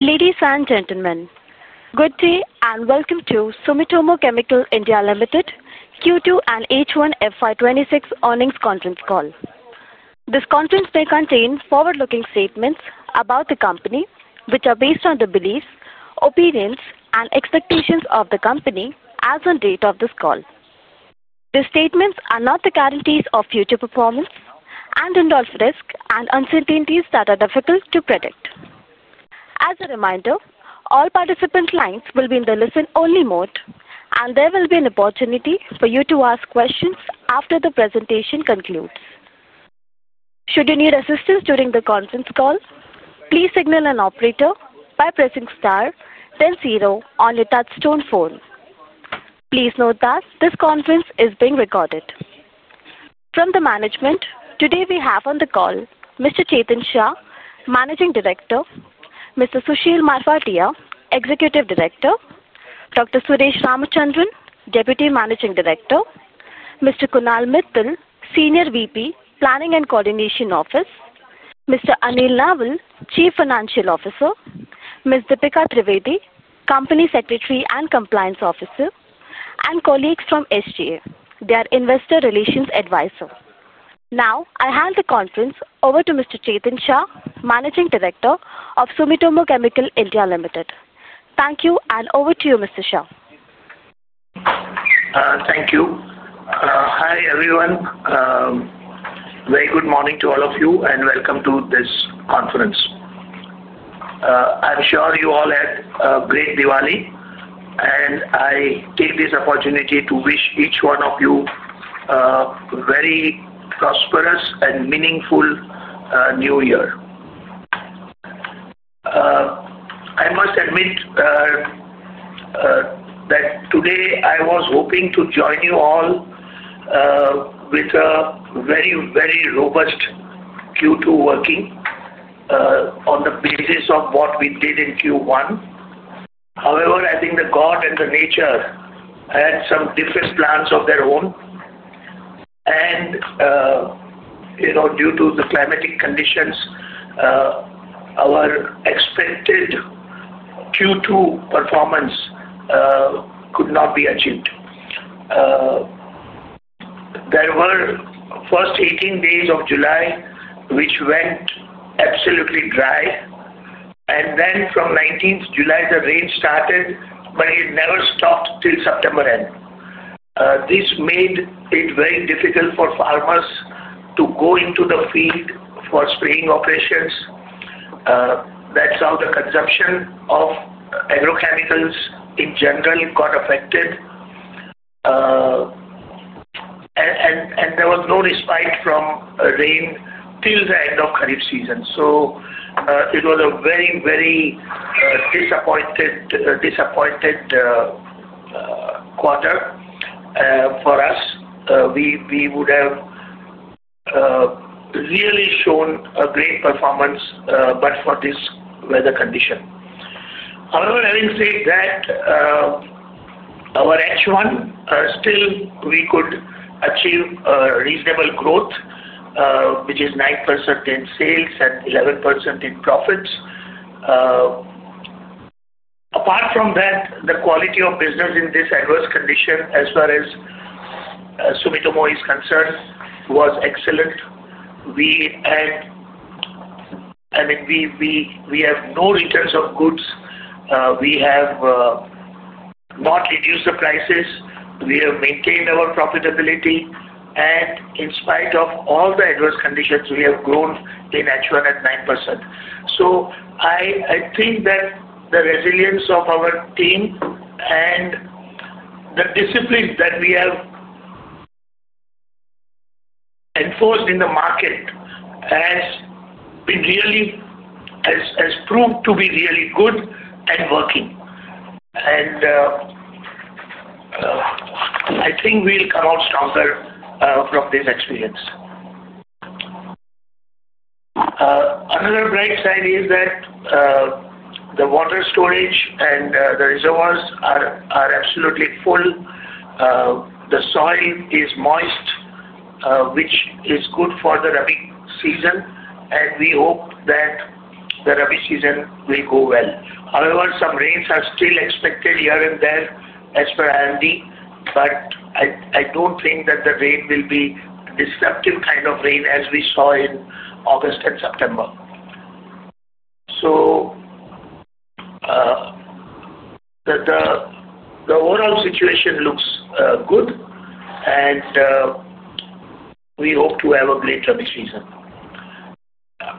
Ladies and gentlemen, good day and welcome to Sumitomo Chemical India Limited Q2 and H1 FY 2026 earnings conference call. This conference will contain forward-looking statements about the company, which are based on the beliefs, opinions, and expectations of the company as of the date of this call. These statements are not the guarantees of future performance and endorse risks and uncertainties that are difficult to predict. As a reminder, all participants' lines will be in the listen-only mode, and there will be an opportunity for you to ask questions after the presentation concludes. Should you need assistance during the conference call, please signal an operator by pressing star, then zero on your touchstone phone. Please note that this conference is being recorded. From the management, today we have on the call Mr. Chetan Shah, Managing Director, Mr. Sushil Marfatia, Executive Director, Dr. Suresh Ramachandran, Deputy Managing Director, Mr. Kunal Mittal, Senior VP, Planning and Coordination Office, Mr. Anil Nawal, Chief Financial Officer, Ms. Deepika Trivedi, Company Secretary and Compliance Officer, and colleagues from SGA, their Investor Relations Advisor. Now, I hand the conference over to Mr. Chetan Shah, Managing Director of Sumitomo Chemical India Limited. Thank you and over to you, Mr. Shah. Thank you. Hi, everyone. Very good morning to all of you and welcome to this conference. I'm sure you all had a great Diwali, and I take this opportunity to wish each one of you a very prosperous and meaningful New Year. I must admit that today I was hoping to join you all with a very, very robust Q2 working on the basis of what we did in Q1. However, I think God and nature had some different plans of their own, and due to the climatic conditions, our expected Q2 performance could not be achieved. There were the first 18 days of July, which went absolutely dry, and then from 19th July, the rain started, but it never stopped till September end. This made it very difficult for farmers to go into the field for spraying operations. That's how the consumption of agrochemicals in general got affected. There was no respite from rain till the end of the current season. It was a very, very disappointed quarter for us. We would have really shown a great performance, but for this weather condition. However, having said that, our H1 still we could achieve a reasonable growth, which is 9% in sales and 11% in profits. Apart from that, the quality of business in this adverse condition, as far as Sumitomo is concerned, was excellent. We have no returns of goods. We have not reduced the prices. We have maintained our profitability. In spite of all the adverse conditions, we have grown in H1 at 9%. I think that the resilience of our team and the disciplines that we have enforced in the market has been really proved to be really good and working. I think we'll come out stronger from this experience. Another bright side is that the water storage and the reservoirs are absolutely full. The soil is moist, which is good for the Rabi season. We hope that the Rabi season will go well. However, some rains are still expected here and there as per IMD, but I don't think that the rain will be a disruptive kind of rain as we saw in August and September. The overall situation looks good, and we hope to have a great Rabi season.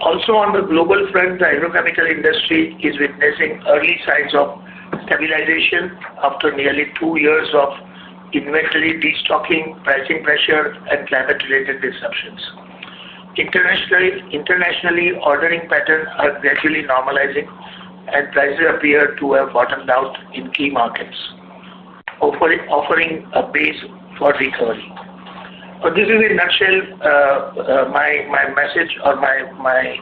Also, on the global front, the agrochemical industry is witnessing early signs of stabilization after nearly two years of inventory destocking, pricing pressure, and climate-related disruptions. Internationally, ordering patterns are gradually normalizing, and prices appear to have bottomed out in key markets, offering a base for recovery. This is in a nutshell my message or my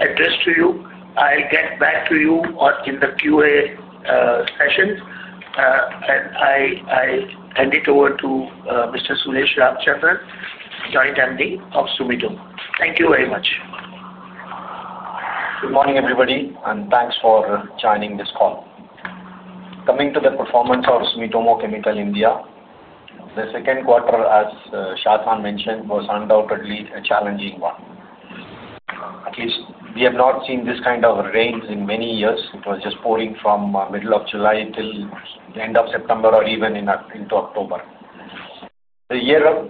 address to you. I'll get back to you in the Q&A session. I hand it over to Dr. Suresh Ramachandran, DMD of Sumitomo. Thank you very much. Good morning, everybody, and thanks for joining this call. Coming to the performance of Sumitomo Chemical India, the second quarter, as Chetan mentioned, was undoubtedly a challenging one. At least, we have not seen this kind of rain in many years. It was just pouring from the middle of July till the end of September or even into October. The year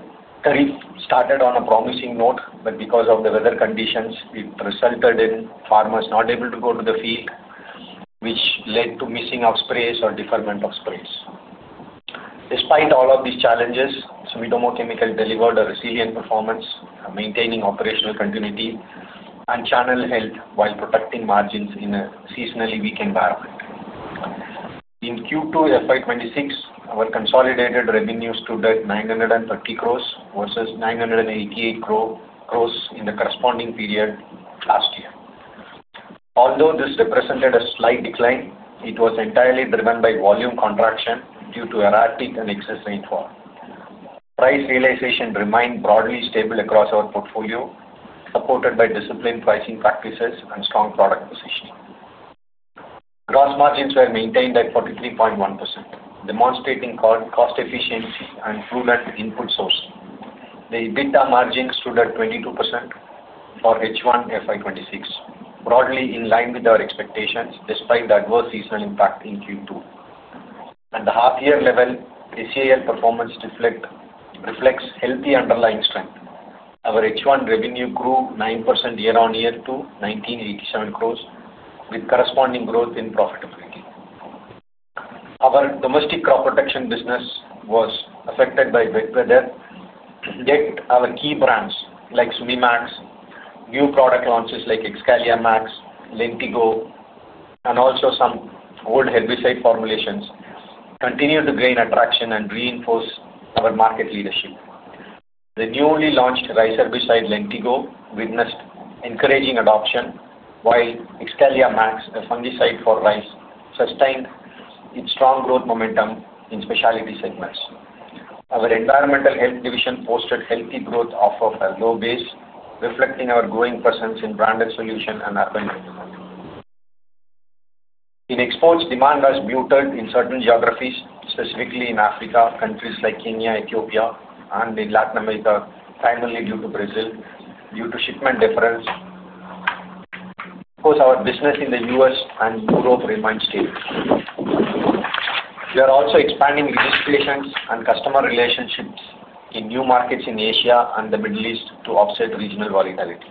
started on a promising note, but because of the weather conditions, it resulted in farmers not able to go to the field, which led to missing of sprays or deferment of sprays. Despite all of these challenges, Sumitomo Chemical delivered a resilient performance, maintaining operational continuity and channel health while protecting margins in a seasonally weak environment. In Q2 FY 2026, our consolidated revenues stood at 930 crore versus 988 crore in the corresponding period last year. Although this represented a slight decline, it was entirely driven by volume contraction due to erratic and excess rainfall. Price realization remained broadly stable across our portfolio, supported by disciplined pricing practices and strong product positioning. Gross margins were maintained at 43.1%, demonstrating cost efficiency and prudent input sources. The EBITDA margin stood at 22% for H1 FY 2026, broadly in line with our expectations despite the adverse seasonal impact in Q2. At the half-year level, ACL performance reflects healthy underlying strength. Our H1 revenue grew 9% year-on-year to 1,987 crore, with corresponding growth in profitability. Our domestic crop protection business was affected by wet weather. Yet, our key brands like Sumi MAX, new product launches like Excalia Max, Lentigo, and also some old herbicide formulations continue to gain attraction and reinforce our market leadership. The newly launched rice herbicide Lentigo witnessed encouraging adoption, while Excalia Max, a fungicide for rice, sustained its strong growth momentum in specialty segments. Our environmental health division posted healthy growth off of a low base, reflecting our growing presence in branded solutions and urban renewables. In exports, demand has bluttered in certain geographies, specifically in Africa, countries like Kenya, Ethiopia, and in Latin America, primarily due to Brazil, due to shipment difference. Of course, our business in the U.S. and Europe remains stable. We are also expanding registrations and customer relationships in new markets in Asia and the Middle East to offset regional volatility.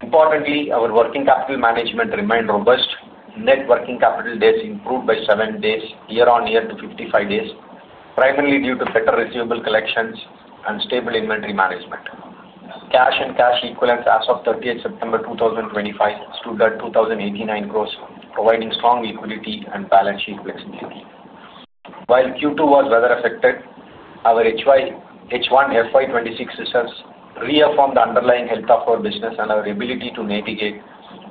Importantly, our working capital management remained robust. Net working capital days improved by 7 days year-on-year to 55 days, primarily due to better receivable collections and stable inventory management. Cash and cash equivalents as of 30th September 2025 stood at 2,089 crore, providing strong liquidity and balance sheet flexibility. While Q2 was weather-affected, our H1 FY 2026 results reaffirmed the underlying health of our business and our ability to navigate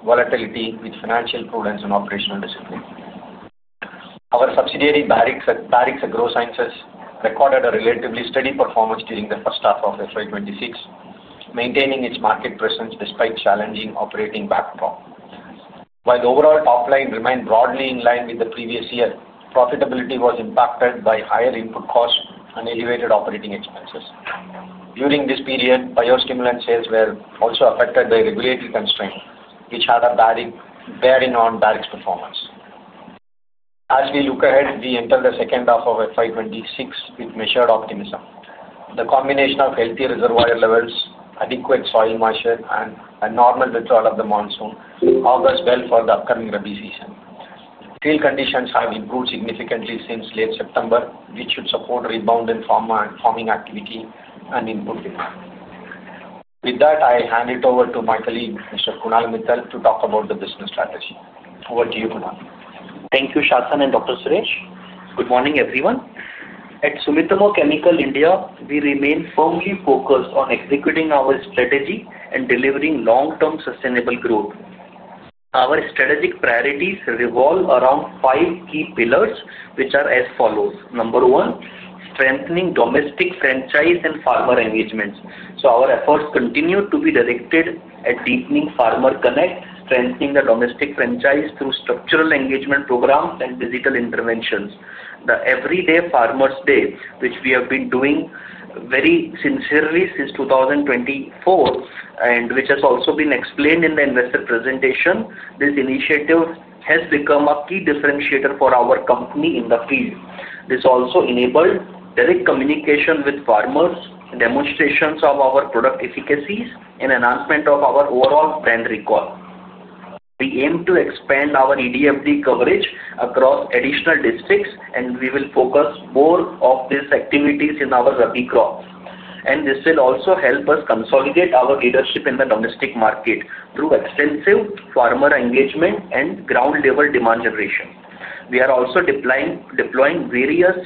volatility with financial prudence and operational discipline. Our subsidiary Barrix Agro Sciences recorded a relatively steady performance during the first half of FY 2026, maintaining its market presence despite a challenging operating backdrop. While the overall top line remained broadly in line with the previous year, profitability was impacted by higher input costs and elevated operating expenses. During this period, biostimulant sales were also affected by regulatory constraints, which had a bearing on Barrix's performance. As we look ahead, we enter the second half of FY 2026 with measured optimism. The combination of healthy reservoir levels, adequate soil moisture, and a normal withdrawal of the monsoon augurs well for the upcoming Rabi season. Field conditions have improved significantly since late September, which should support a rebound in farming activity and input demand. With that, I hand it over to my colleague, Mr. Kunal Mittal, to talk about the business strategy. Over to you, Kunal. Thank you, Chetan and Dr. Suresh. Good morning, everyone. At Sumitomo Chemical India, we remain firmly focused on executing our strategy and delivering long-term sustainable growth. Our strategic priorities revolve around five key pillars, which are as follows. Number one, strengthening domestic franchise and farmer engagements. Our efforts continue to be directed at deepening farmer connect, strengthening the domestic franchise through structural engagement programs and digital interventions. The Every Day Farmers Day, which we have been doing very sincerely since 2024, and which has also been explained in the investor presentation, this initiative has become a key differentiator for our company in the field. This also enables direct communication with farmers, demonstrations of our product efficacies, and announcement of our overall brand recall. We aim to Every Day Farmers Day coverage across additional districts, and we will focus more of these activities in our Rabi crops. This will also help us consolidate our leadership in the domestic market through extensive farmer engagement and ground-level demand generation. We are also deploying various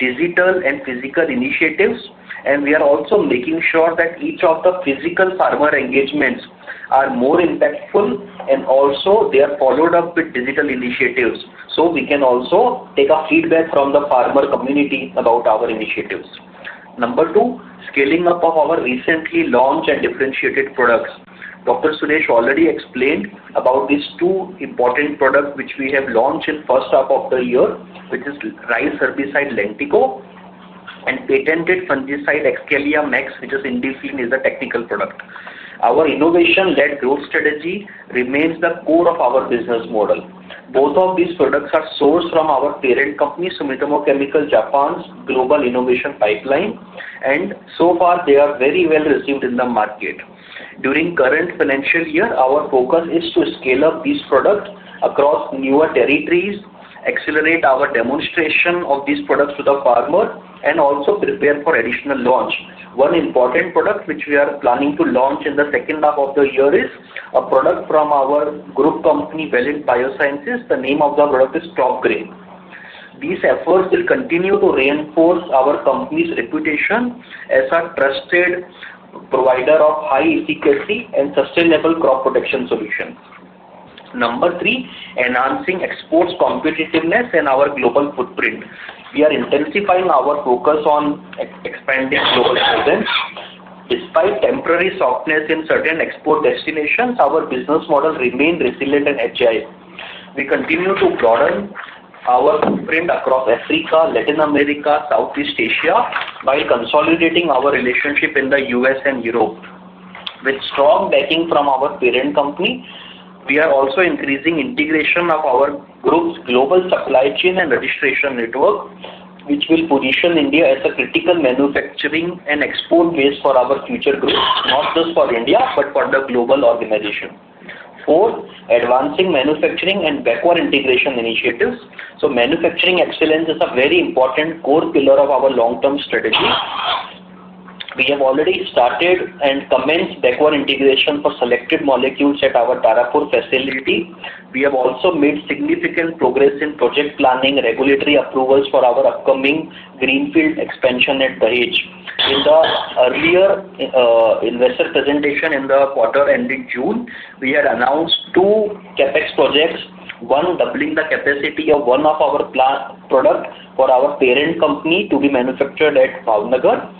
digital and physical initiatives, and we are also making sure that each of the physical farmer engagements are more impactful, and also they are followed up with digital initiatives so we can also take feedback from the farmer community about our initiatives. Number two, scaling up of our recently launched and differentiated products. Dr. Suresh already explained about these two important products which we have launched in the first half of the year, which is rice herbicide Lentigo and patented fungicide Excalia Max, which is Indifine as a technical product. Our innovation-led growth strategy remains the core of our business model. Both of these products are sourced from our parent company, Sumitomo Chemical Japan's global innovation pipeline, and so far, they are very well received in the market. During the current financial year, our focus is to scale up these products across newer territories, accelerate our demonstration of these products to the farmer, and also prepare for additional launch. One important product which we are planning to launch in the second half of the year is a product from our group company, Valent BioSciences. The name of the product is crop grain. These efforts will continue to reinforce our company's reputation as a trusted provider of high efficiency and sustainable crop protection solutions. Number three, enhancing exports' competitiveness and our global footprint. We are intensifying our focus on expanding global presence. Despite temporary softness in certain export destinations, our business model remains resilient and agile. We continue to broaden our footprint across Africa, Latin America, and Southeast Asia, while consolidating our relationship in the U.S. and Europe. With strong backing from our parent company, we are also increasing the integration of our group's global supply chain and registration network, which will position India as a critical manufacturing and export base for our future growth, not just for India, but for the global organization. Fourth, advancing manufacturing and backward integration initiatives. Manufacturing excellence is a very important core pillar of our long-term strategy. We have already started and commenced backward integration for selected molecules at our Tarapur facility. We have also made significant progress in project planning and regulatory approvals for our upcoming greenfield expansion at Dahej. In the earlier investor presentation in the quarter ending June, we had announced two CapEx projects, one doubling the capacity of one of our plant products for our parent company to be manufactured at Bhavnagar,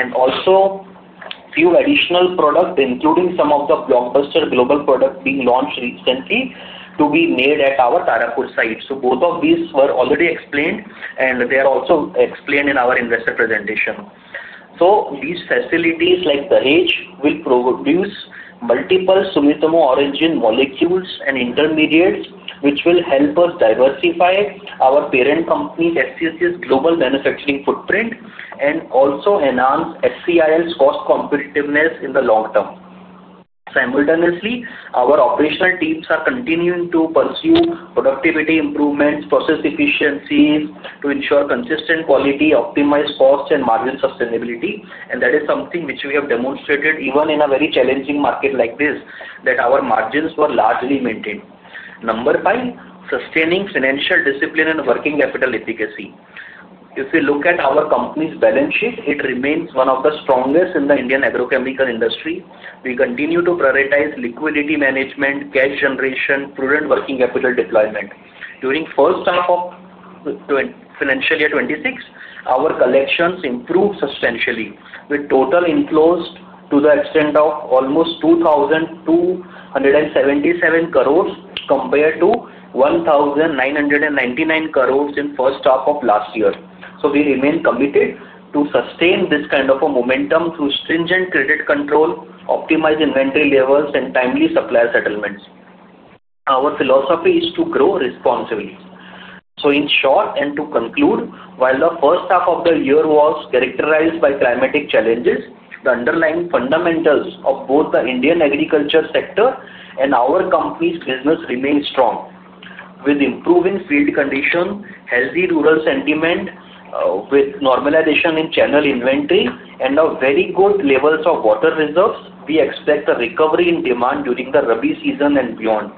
and also a few additional products, including some of the blockbuster global products being launched recently to be made at our Tarapur site. Both of these were already explained, and they are also explained in our investor presentation. These facilities like Dahej will produce multiple Sumitomo origin molecules and intermediates, which will help us diversify our parent company's SCCL's global manufacturing footprint and also enhance SCIL's cost competitiveness in the long term. Simultaneously, our operational teams are continuing to pursue productivity improvements and process efficiencies to ensure consistent quality, optimized costs, and margin sustainability. That is something which we have demonstrated even in a very challenging market like this, that our margins were largely maintained. Number five, sustaining financial discipline and working capital efficacy. If you look at our company's balance sheet, it remains one of the strongest in the Indian agrochemical industry. We continue to prioritize liquidity management, cash generation, and prudent working capital deployment. During the first half of the financial year 2026, our collections improved substantially, with total inflows to the extent of almost 2,277 crore compared to 1,999 crore in the first half of last year. We remain committed to sustain this kind of momentum through stringent credit control, optimized inventory levels, and timely supplier settlements. Our philosophy is to grow responsibly. In short and to conclude, while the first half of the year was characterized by climatic challenges, the underlying fundamentals of both the Indian agriculture sector and our company's business remain strong. With improving field conditions, healthy rural sentiment, normalization in channel inventory, and a very good level of water reserves, we expect a recovery in demand during the Rabi season and beyond.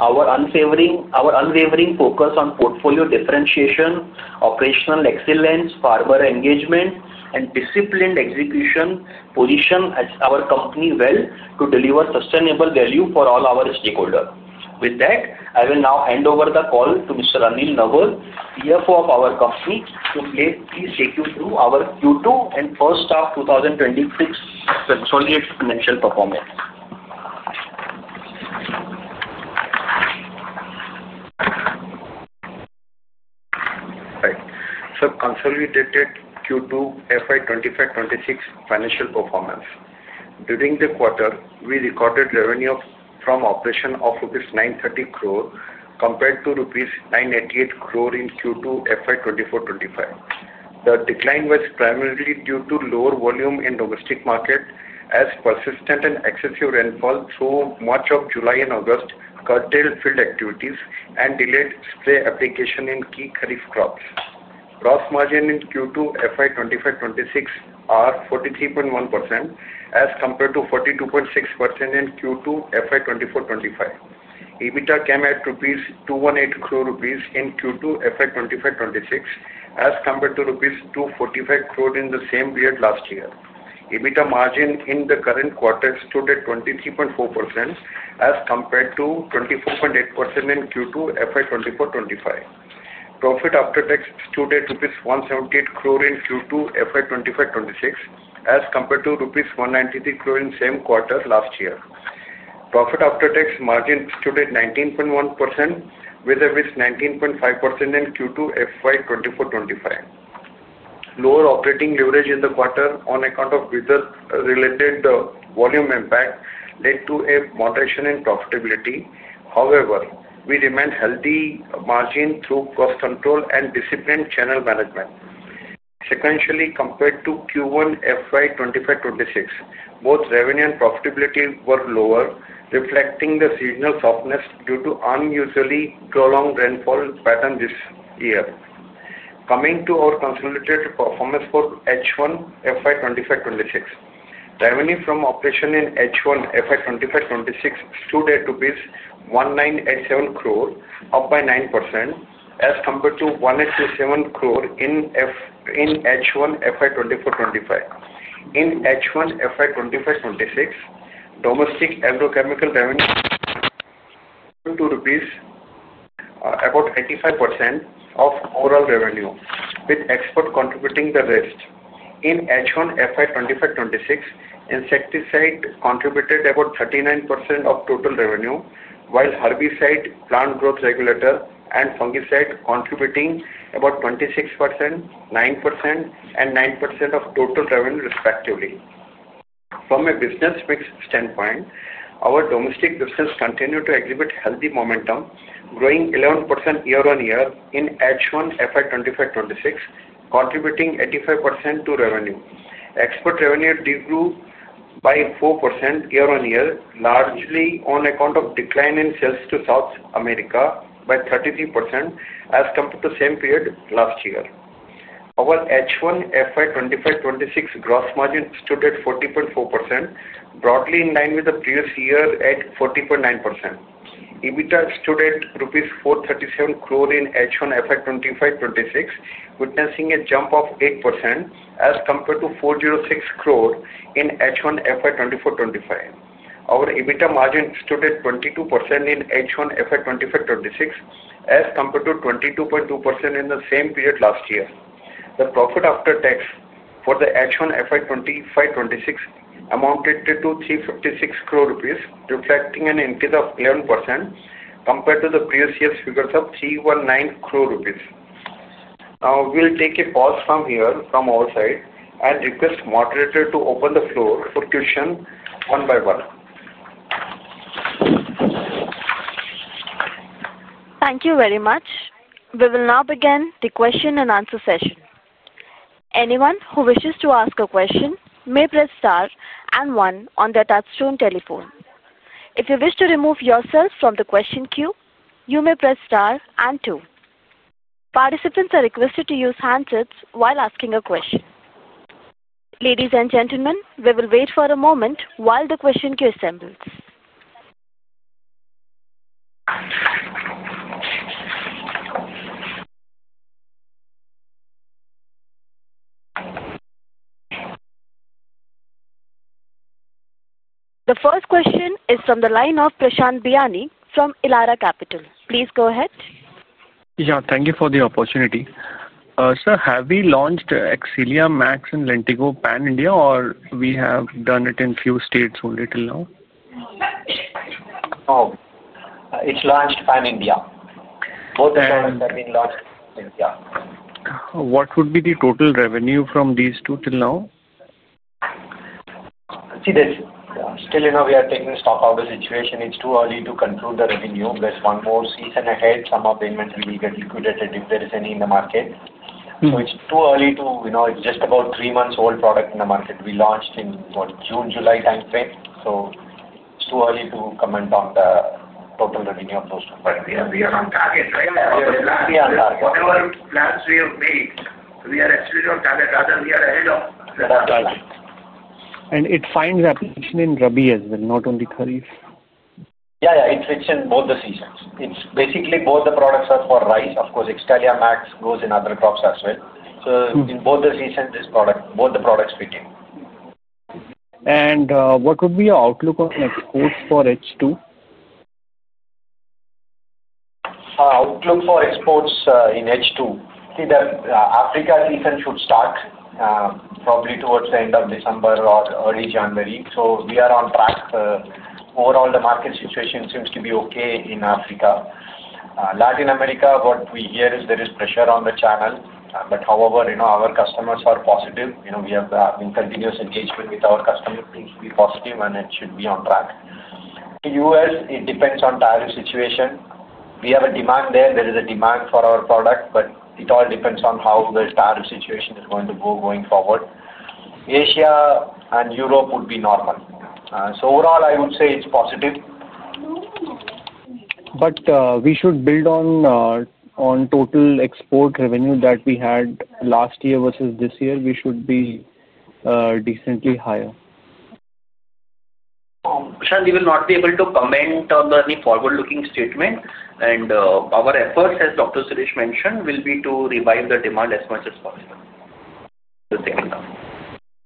Our unwavering focus on portfolio differentiation, operational excellence, farmer engagement, and disciplined execution position our company well to deliver sustainable value for all our stakeholders. With that, I will now hand over the call to Mr. Anil Nawal, CFO of our company, to please take you through our Q2 and first half 2026 consolidated financial performance. Right. Consolidated Q2 FY 2025-FY 2026 financial performance. During the quarter, we recorded revenue from operations of 9.30 crore rupees compared to 9.88 crore rupees in Q2 FY 2024-FY 2025. The decline was primarily due to lower volume in the domestic market, as persistent and excessive rainfall through much of July and August curtailed field activities and delayed spray application in key crops. Gross margin in FY 2025-FY 2026 is 43.1% as compared to 42.6% in Q2 FY 2024-FY 2025. EBITDA came at 2.18 crore rupees in Q2 FY 2025-FY 2026, as compared to rupees 2.45 crore in the same period last year. EBITDA margin in the current quarter stood at 23.4% as compared to 24.8% in Q2 FY 2024-FY 2025. Profit after tax stood at rupees 1.78 crore in FY 2025-FY 2026, as compared to rupees 1.93 crore in the same quarter last year. Profit after tax margin stood at 19.1%, with a risk of 19.5% in Q2 FY 2024-FY 2025. Lower operating leverage in the quarter on account of weather-related volume impact led to a moderation in profitability. However, we remain healthy margin through cost control and disciplined channel management. Sequentially compared to FY 2025-FY 2026, both revenue and profitability were lower, reflecting the seasonal softness due to unusually prolonged rainfall pattern this year. Coming to our consolidated performance for FY 2025-FY 2026, revenue from operations in FY 2025-FY 2026 stood at rupees 19.87 crore, up by 9%, as compared to 18.7 crore in H1 FY 2024-FY 2025. In FY 2025-FY 2026, domestic agrochemical revenue stood at INR 2.85 crore, about 85% of overall revenue, with export contributing the rest. In FY 2025-FY 2026, insecticide contributed about 39% of total revenue, while herbicide, plant growth regulator, and fungicide contributed about 26%, 9%, and 9% of total revenue, respectively. From a business mix standpoint, our domestic business continued to exhibit healthy momentum, growing 11% year-on-year in FY 2025-FY 2026, contributing 85% to revenue. Export revenue did grow by 4% year-on-year, largely on account of decline in sales to South America by 33% as compared to the same period last year. Our FY 2025-FY 2026 gross margin stood at 40.4%, broadly in line with the previous year at 40.9%. EBITDA stood at INR 4.37 crore in FY 2025-FY 2026, witnessing a jump of 8% as compared to 4.06 crore in H1 FY 2024-FY 2025. Our EBITDA margin stood at 22% in FY 2025-FY 2026, as compared to 22.2% in the same period last year. The profit after tax for FY 2025-FY 2026 amounted to 3.56 crore rupees, reflecting an increase of 11% compared to the previous year's figures of 3.19 crore rupees. We'll take a pause from here from our side and request the moderator to open the floor for questions one by one. Thank you very much. We will now begin the question and answer session. Anyone who wishes to ask a question may press star and one on their touchstone telephone. If you wish to remove yourself from the question queue, you may press star and two. Participants are requested to use handsets while asking a question. Ladies and gentlemen, we will wait for a moment while the question queue assembles. The first question is from the line of Prashant Biyani from Elara Capital. Please go ahead. Thank you for the opportunity. Sir, have we launched Excalia Max and Lentigo pan-India, or have we done it in a few states only till now? Oh, it's launched pan-India. Both of them have been launched in India. What would be the total revenue from these two till now? See, we are taking stock of the situation. It's too early to conclude the revenue. There's one more season ahead. Some of the inventory will get liquidated if there is any in the market. It's too early to, you know, it's just about three months old product in the market. We launched in, what, June, July timeframe. It's too early to comment on the total revenue of those two. We are on target, right? Yeah, we are on target. Whatever plans we have made, we are actually on target. Rather, we are ahead of the target. It finds application in rubbish as well, not only curries. Yeah, yeah. It fits in both the seasons. It's basically both the products are for rice. Of course, Excalia Max goes in other crops as well. In both the seasons, this product, both the products fit in. What would be your outlook on exports for H2? Outlook for exports in H2? See, the Africa season should start, probably towards the end of December or early January. We are on track. Overall, the market situation seems to be okay in Africa. Latin America, what we hear is there is pressure on the channel. However, our customers are positive. We have been in continuous engagement with our customers, seems to be positive, and it should be on track. The U.S., it depends on the tariff situation. We have a demand there. There is a demand for our product, but it all depends on how the tariff situation is going to go going forward. Asia and Europe would be normal. Overall, I would say it's positive. We should build on total export revenue that we had last year versus this year. We should be decently higher. Prashant, we will not be able to comment on any forward-looking statement. Our efforts, as Dr. Suresh mentioned, will be to revive the demand as much as possible.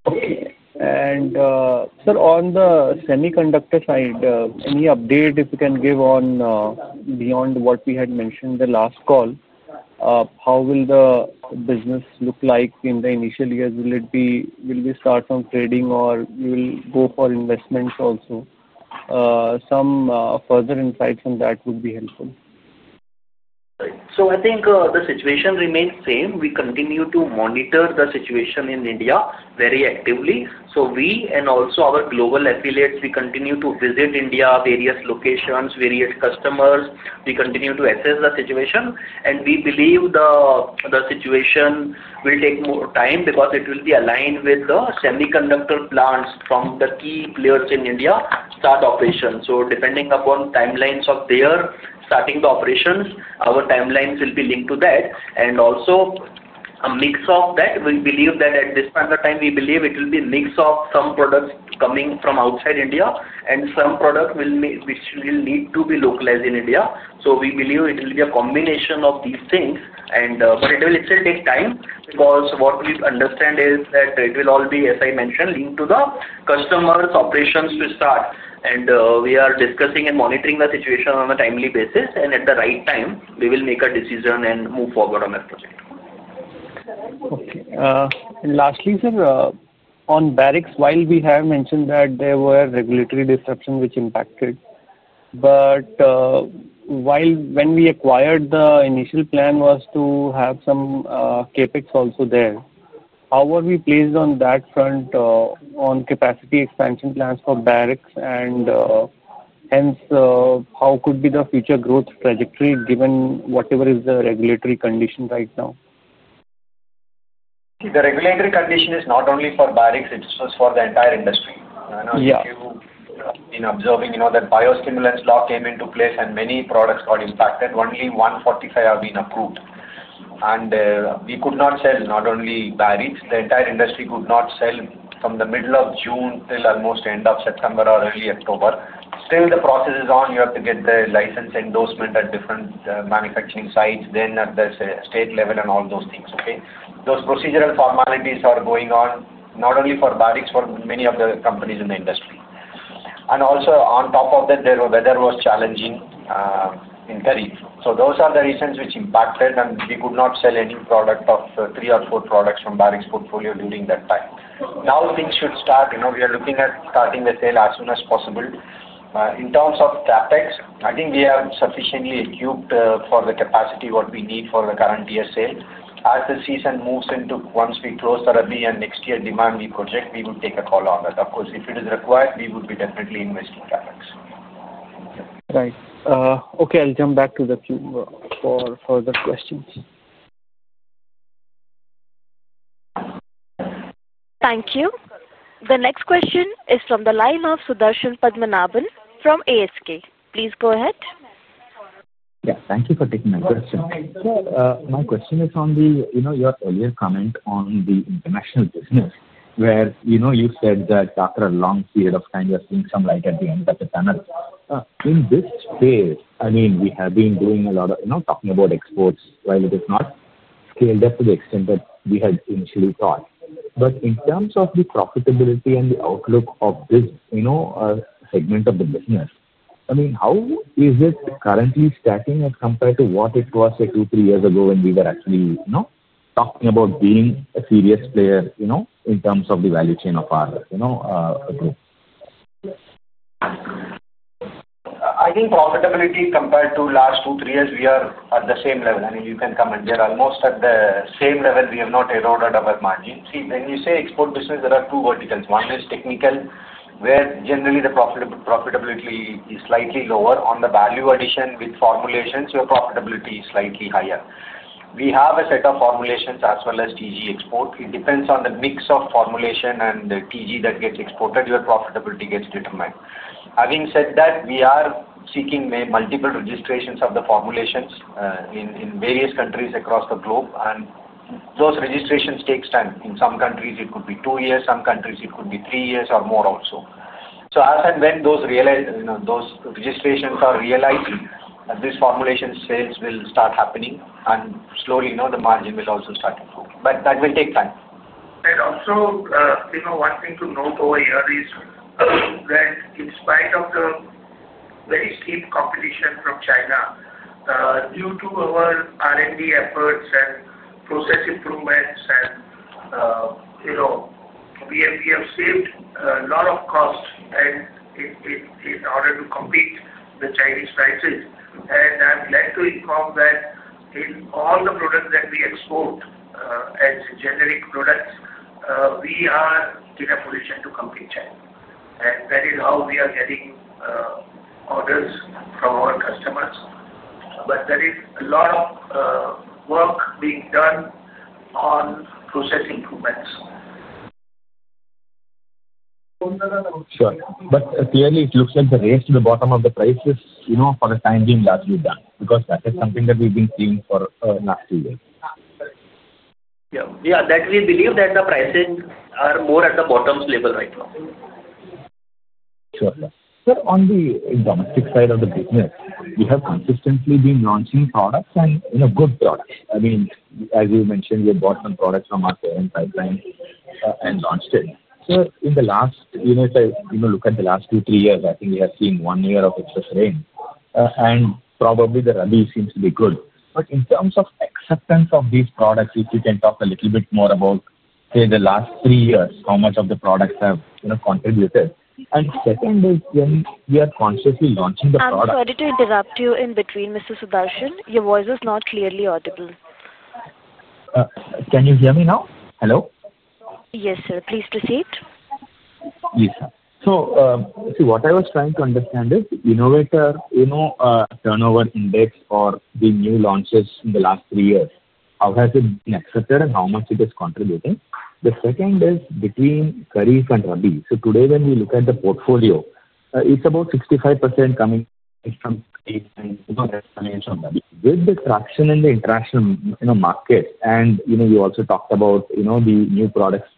Okay. Sir, on the semiconductor side, any update if you can give on, beyond what we had mentioned in the last call? How will the business look like in the initial years? Will it be, will we start from trading, or we will go for investments also? Some further insights on that would be helpful. I think the situation remains the same. We continue to monitor the situation in India very actively. We and also our global affiliates continue to visit India, various locations, various customers. We continue to assess the situation. We believe the situation will take more time because it will be aligned with the semiconductor plants from the key players in India starting operations. Depending upon timelines of their starting the operations, our timelines will be linked to that, and also a mix of that. We believe that at this point of time, it will be a mix of some products coming from outside India and some products which will need to be localized in India. We believe it will be a combination of these things. It will still take time because what we understand is that it will all be, as I mentioned, linked to the customer's operations to start. We are discussing and monitoring the situation on a timely basis. At the right time, we will make a decision and move forward on the project. Okay. Lastly, sir, on Barrix, while we have mentioned that there were regulatory disruptions which impacted, when we acquired, the initial plan was to have some CapEx also there. How are we placed on that front, on capacity expansion plans for Barrix? Hence, how could be the future growth trajectory given whatever is the regulatory condition right now? See, the regulatory condition is not only for Barrix. It's just for the entire industry. I know that you've been observing, you know, that biostimulants law came into place, and many products got impacted. Only 145 have been approved. We could not sell not only Barrix. The entire industry could not sell from the middle of June till almost the end of September or early October. Still, the process is on. You have to get the license endorsement at different manufacturing sites, then at the state level, and all those things, okay? Those procedural formalities are going on not only for Barrix, for many of the companies in the industry. Also, on top of that, the weather was challenging, in Dahej. Those are the reasons which impacted, and we could not sell any product of three or four products from Barrix' portfolio during that time. Now things should start. We are looking at starting the sale as soon as possible. In terms of CapEx, I think we have sufficiently equipped, for the capacity what we need for the current year's sale. As the season moves into, once we close the Rabi season and next year demand we project, we would take a call on that. Of course, if it is required, we would be definitely investing CapEx. Right. Okay. I'll jump back to the queue for further questions. Thank you. The next question is from the line of Sudarshan Padmanabhan from ASK. Please go ahead. Thank you for taking my question. My question is on your earlier comment on the international business, where you said that after a long period of time, you are seeing some light at the end of the tunnel in this space. We have been doing a lot of talking about exports, while it is not scaled up to the extent that we had initially thought. In terms of the profitability and the outlook of this segment of the business, how is it currently stacking as compared to what it was two, three years ago when we were actually talking about being a serious player in terms of the value chain of our group? I think profitability compared to the last two, three years, we are at the same level. I mean, you can comment. We are almost at the same level. We have not eroded our margin. See, when you say export business, there are two verticals. One is technical, where generally the profitability is slightly lower. On the value addition with formulations, your profitability is slightly higher. We have a set of formulations as well as TG export. It depends on the mix of formulation and the TG that gets exported, your profitability gets determined. Having said that, we are seeking multiple registrations of the formulations in various countries across the globe. Those registrations take time. In some countries, it could be two years. Some countries, it could be three years or more also. As and when those registrations are realized, these formulation sales will start happening. Slowly, the margin will also start improving. That will take time. One thing to note over here is that in spite of the very steep competition from China, due to our R&D efforts and process improvements, we have saved a lot of cost in order to compete with Chinese prices. I'm glad to inform that in all the products that we export as generic products, we are in a position to compete with China. That is how we are getting orders from our customers. There is a lot of work being done on process improvements. Sure. Clearly, it looks like the race to the bottom of the price is, you know, for the time being, largely done because that is something that we've been seeing for the last two years. Yeah, we believe that the pricing is more at the bottom's level right now. Sure. Sir, on the domestic side of the business, we have consistently been launching products and good products. I mean, as you mentioned, we have bought some products from our parent pipeline and launched it. Sir, in the last, if I look at the last two, three years, I think we are seeing one year of excess rain, and probably the Rabi seems to be good. In terms of acceptance of these products, if you can talk a little bit more about, say, the last three years, how much of the products have contributed? The second is when we are consciously launching the product. I'm sorry to interrupt you in between, Mr. Sudarshan. Your voice is not clearly audible. Can you hear me now? Hello? Yes, sir. Please proceed. Yes, sir. What I was trying to understand is innovator turnover index for the new launches in the last three years. How has it been accepted and how much it is contributing? The second is between Kharif and Rabi. Today, when we look at the portfolio, it's about 65% coming from Kharif and the rest coming in from Rabi. With the traction in the international market, and you also talked about the new products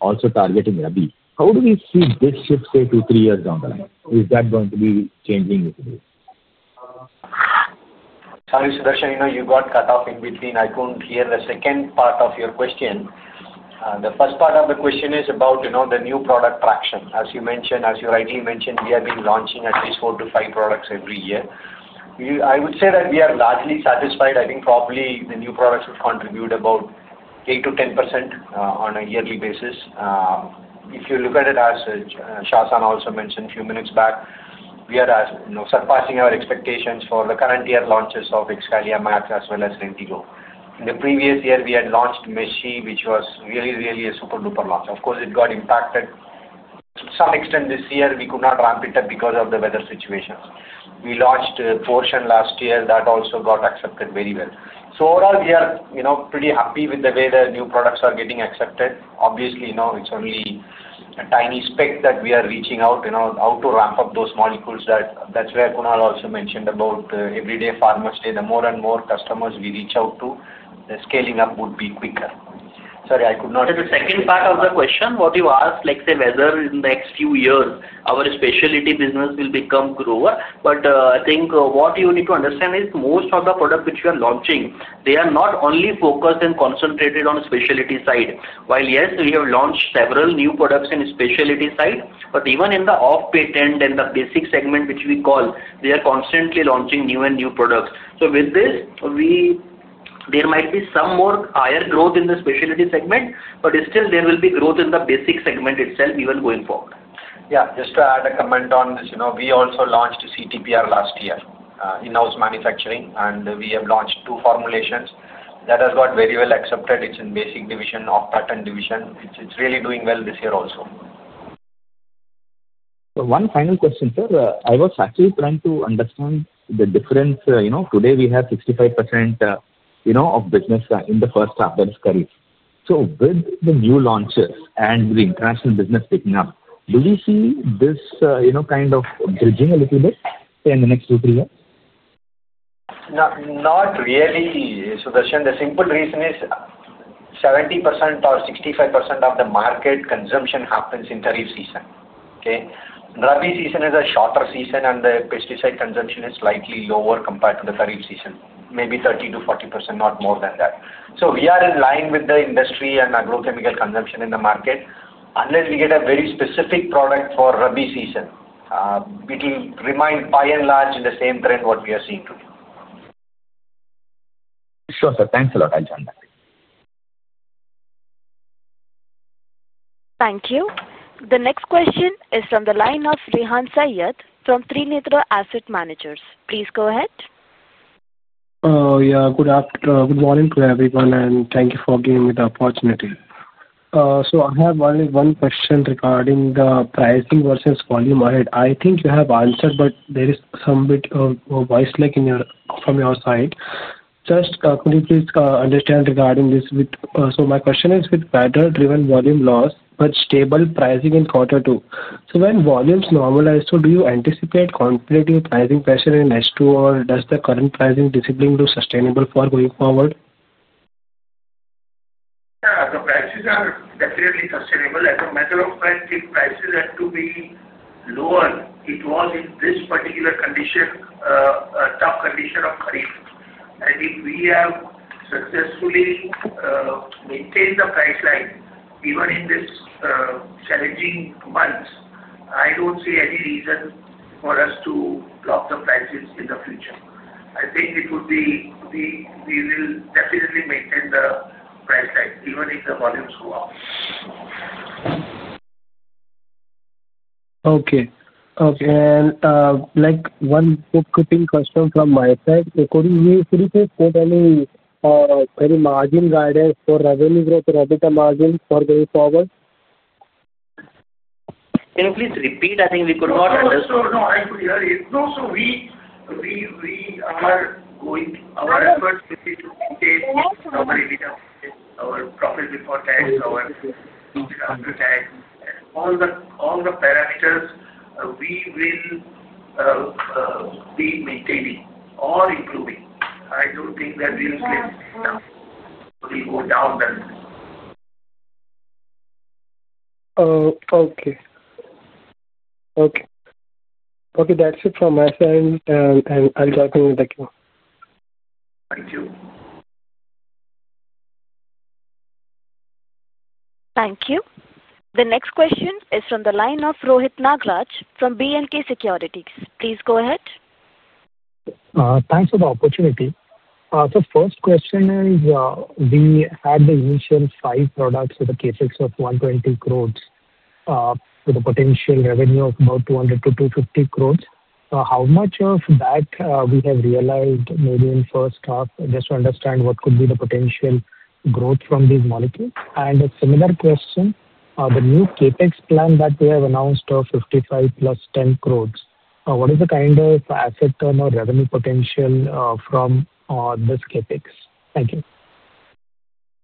also targeting Rabi, how do we see this shift, say, two, three years down the line? Is that going to be changing? Sorry, Sudarshan, you got cut off in between. I couldn't hear the second part of your question. The first part of the question is about the new product traction. As you mentioned, as you rightly mentioned, we have been launching at least four to five products every year. I would say that we are largely satisfied. I think probably the new products would contribute about 8%-10% on a yearly basis. If you look at it, as Kunal also mentioned a few minutes back, we are surpassing our expectations for the current year launches of Excalia Max as well as Lentigo. In the previous year, we had launched Meshi, which was really, really a super duper launch. Of course, it got impacted to some extent this year. We could not ramp it up because of the weather situations. We launched Portion last year. That also got accepted very well. Overall, we are pretty happy with the way the new products are getting accepted. Obviously, it's only a tiny speck that we are reaching out to ramp up those molecules. That's where Kunal also mentioned about Every Day Farmers Day. The more and more customers we reach out to, the scaling up would be quicker. Sorry, I could not. The second part of the question, what you asked, like say, whether in the next few years our specialty business will become grower. I think what you need to understand is most of the products which we are launching, they are not only focused and concentrated on the specialty side. While yes, we have launched several new products in the specialty side, even in the off-patent and the basic segment, which we call, they are constantly launching new and new products. With this, there might be some more higher growth in the specialty segment, but still, there will be growth in the basic segment itself even going forward. Yeah. Just to add a comment on this, you know, we also launched CTPR last year in-house manufacturing, and we have launched two formulation products. That has got very well accepted. It's in the basic division, off-patent division. It's really doing well this year also. One final question, sir. I was actually trying to understand the difference. You know, today we have 65% of business in the first half, that is Kharif. With the new launches and the international business picking up, do we see this kind of bridging a little bit, say, in the next two, three years? Not really, Sudarshan. The simple reason is 70% or 65% of the market consumption happens in the Rabi season, okay? Rabi season is a shorter season, and the pesticide consumption is slightly lower compared to the Kharif season, maybe 30%-40%, not more than that. We are in line with the industry and agrochemical consumption in the market. Unless we get a very specific product for Rabi season, it will remain by and large in the same trend we are seeing today. Sure, sir. Thanks a lot. I'll jump back. Thank you. The next question is from the line of Rehan Saiyyed from Trinetra Asset Managers. Please go ahead. Good afternoon. Good morning to everyone, and thank you for giving me the opportunity. I have only one question regarding the pricing versus volume ahead. I think you have answered, but there is some bit of a voice lag from your side. Could you please understand regarding this? My question is with better-driven volume loss, but stable pricing in quarter two. When volumes normalize, do you anticipate continued pricing pressure in H2, or does the current pricing discipline look sustainable for going forward? Yeah. The prices are definitely sustainable. As a matter of fact, if prices are to be lower, it was in this particular condition, a tough condition of Kharif. If we have successfully maintained the price line even in this challenging months, I don't see any reason for us to drop the prices in the future. I think it would be, we will definitely maintain the price line even if the volumes go up. Okay. Okay. One bookkeeping question from my side. According to you, should we put any margin guidance for revenue growth or EBITDA margin for going forward? Can you please repeat? I think we could not understand. Sure. No, I'm sorry. No, we are going, our efforts will be to maintain our EBITDA margin, our profit before tax, our profit after tax, and all the parameters. We will be maintaining or improving. I don't think that we will slowly go down then. Okay. Okay. That's it from my side, and I'll drop in the queue. Thank you. Thank you. The next question is from the line of Rohit Nagraj from B&K Securities. Please go ahead. Thanks for the opportunity. The first question is, we had the initial five products with a CapEx of 120 crores with a potential revenue of about 200 crore-250 crores. How much of that we have realized maybe in the first half, just to understand what could be the potential growth from these molecules? A similar question, the new CapEx plan that we have announced of 55+ crore, 10 crore, what is the kind of asset term or revenue potential from this CapEx? Thank you.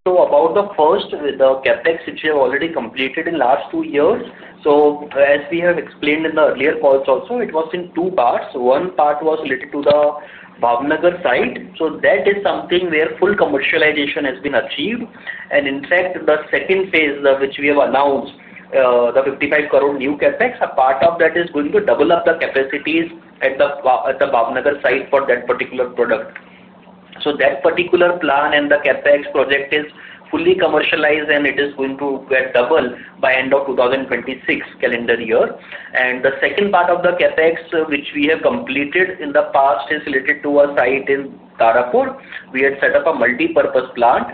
About the first CapEx, which we have already completed in the last two years, as we have explained in the earlier calls also, it was in two parts. One part was related to the Bhavnagar site. That is something where full commercialization has been achieved. In fact, in the second phase, which we have announced, the 55 crore new CapEx, a part of that is going to double up the capacities at the Bhavnagar site for that particular product. That particular plan and the CapEx project is fully commercialized, and it is going to get doubled by the end of 2026 calendar year. The second part of the CapEx, which we have completed in the past, is related to a site in Tarapur. We had set up a multipurpose plant.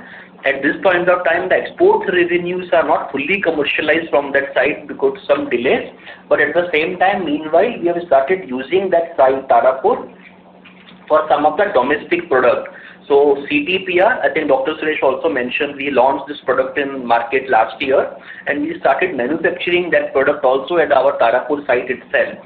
At this point of time, the export revenues are not fully commercialized from that site because of some delays. At the same time, meanwhile, we have started using that site, Tarapur, for some of the domestic products. CTPR, I think Dr. Suresh also mentioned, we launched this product in the market last year, and we started manufacturing that product also at our Tarapur site itself.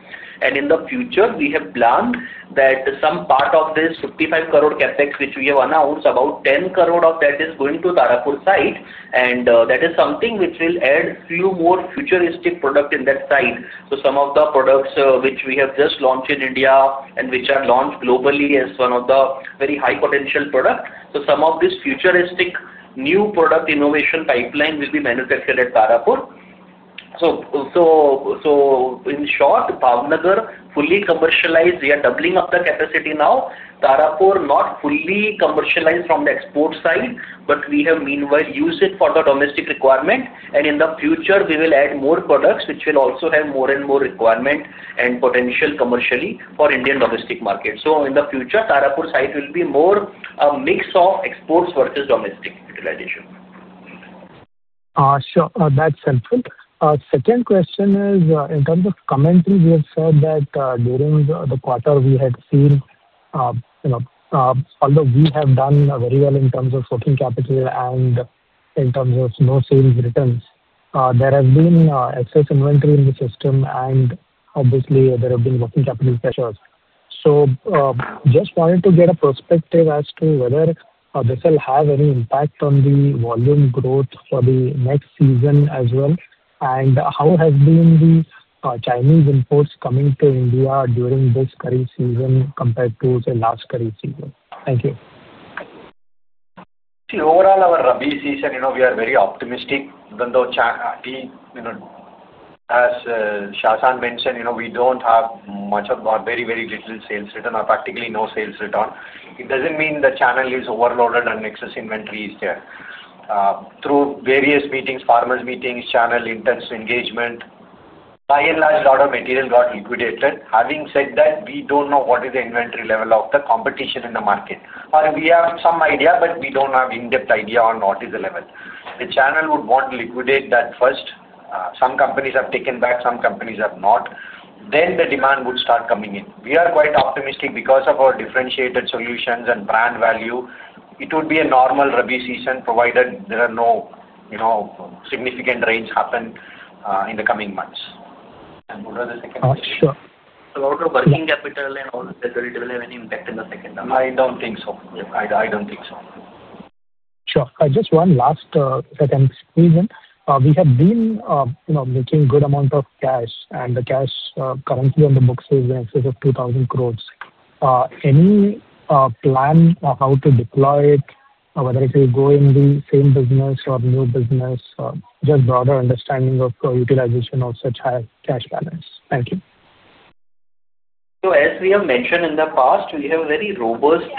In the future, we have planned that some part of this 55 crore CapEx, which we have announced, about 10 crore of that is going to the Tarapur site. That is something which will add a few more futuristic products in that site. Some of the products which we have just launched in India and which are launched globally as one of the very high-potential products. Some of these futuristic new product innovation pipelines will be manufactured at Tarapur. In short, Bhavnagar fully commercialized. We are doubling up the capacity now. Tarapur not fully commercialized from the export side, but we have meanwhile used it for the domestic requirement. In the future, we will add more products which will also have more and more requirements and potential commercially for the Indian domestic market. In the future, Tarapur site will be more a mix of exports versus domestic utilization. Sure. That's helpful. The second question is, in terms of commenting, you have said that during the quarter, we had seen, although we have done very well in terms of working capital and in terms of no sales returns, there has been excess inventory in the system, and obviously, there have been working capital pressures. I just wanted to get a perspective as to whether this will have any impact on the volume growth for the next season as well. How have been the Chinese imports coming to India during this Rabi season compared to, say, last Rabi season? Thank you. See, overall, our Rabi season, you know, we are very optimistic, even though, as Chetan mentioned, you know, we don't have much of or very, very little sales return or practically no sales return. It doesn't mean the channel is overloaded and excess inventory is there. Through various meetings, farmers' meetings, channel interns' engagement, by and large, a lot of material got liquidated. Having said that, we don't know what is the inventory level of the competition in the market. We have some idea, but we don't have an in-depth idea on what is the level. The channel would want to liquidate that first. Some companies have taken back. Some companies have not. The demand would start coming in. We are quite optimistic because of our differentiated solutions and brand value. It would be a normal Rabi season provided there are no, you know, significant rains happen in the coming months. What are the second questions? Sure. Out of working capital and all of that, do we really have any impact in the second half? I don't think so. I don't think so. Sure. Just one last, second reason. We have been making a good amount of cash, and the cash currently on the books is in excess of 2,000 crore. Any plan of how to deploy it, whether it is going in the same business or new business, just a broader understanding of the utilization of such high cash balance. Thank you. As we have mentioned in the past, we have very robust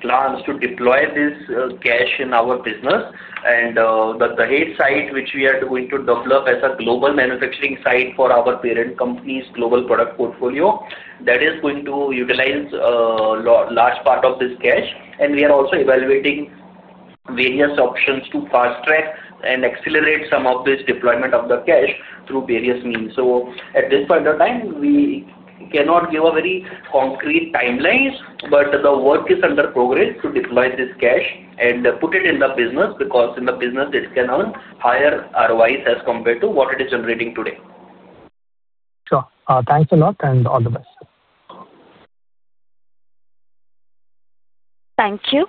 plans to deploy this cash in our business. The Dahej site, which we are going to double up as a global manufacturing site for our parent company's global product portfolio, is going to utilize a large part of this cash. We are also evaluating various options to fast-track and accelerate some of this deployment of the cash through various means. At this point of time, we cannot give a very concrete timeline, but the work is under progress to deploy this cash and put it in the business because in the business, it can earn higher ROIs as compared to what it is generating today. Sure, thanks a lot and all the best. Thank you.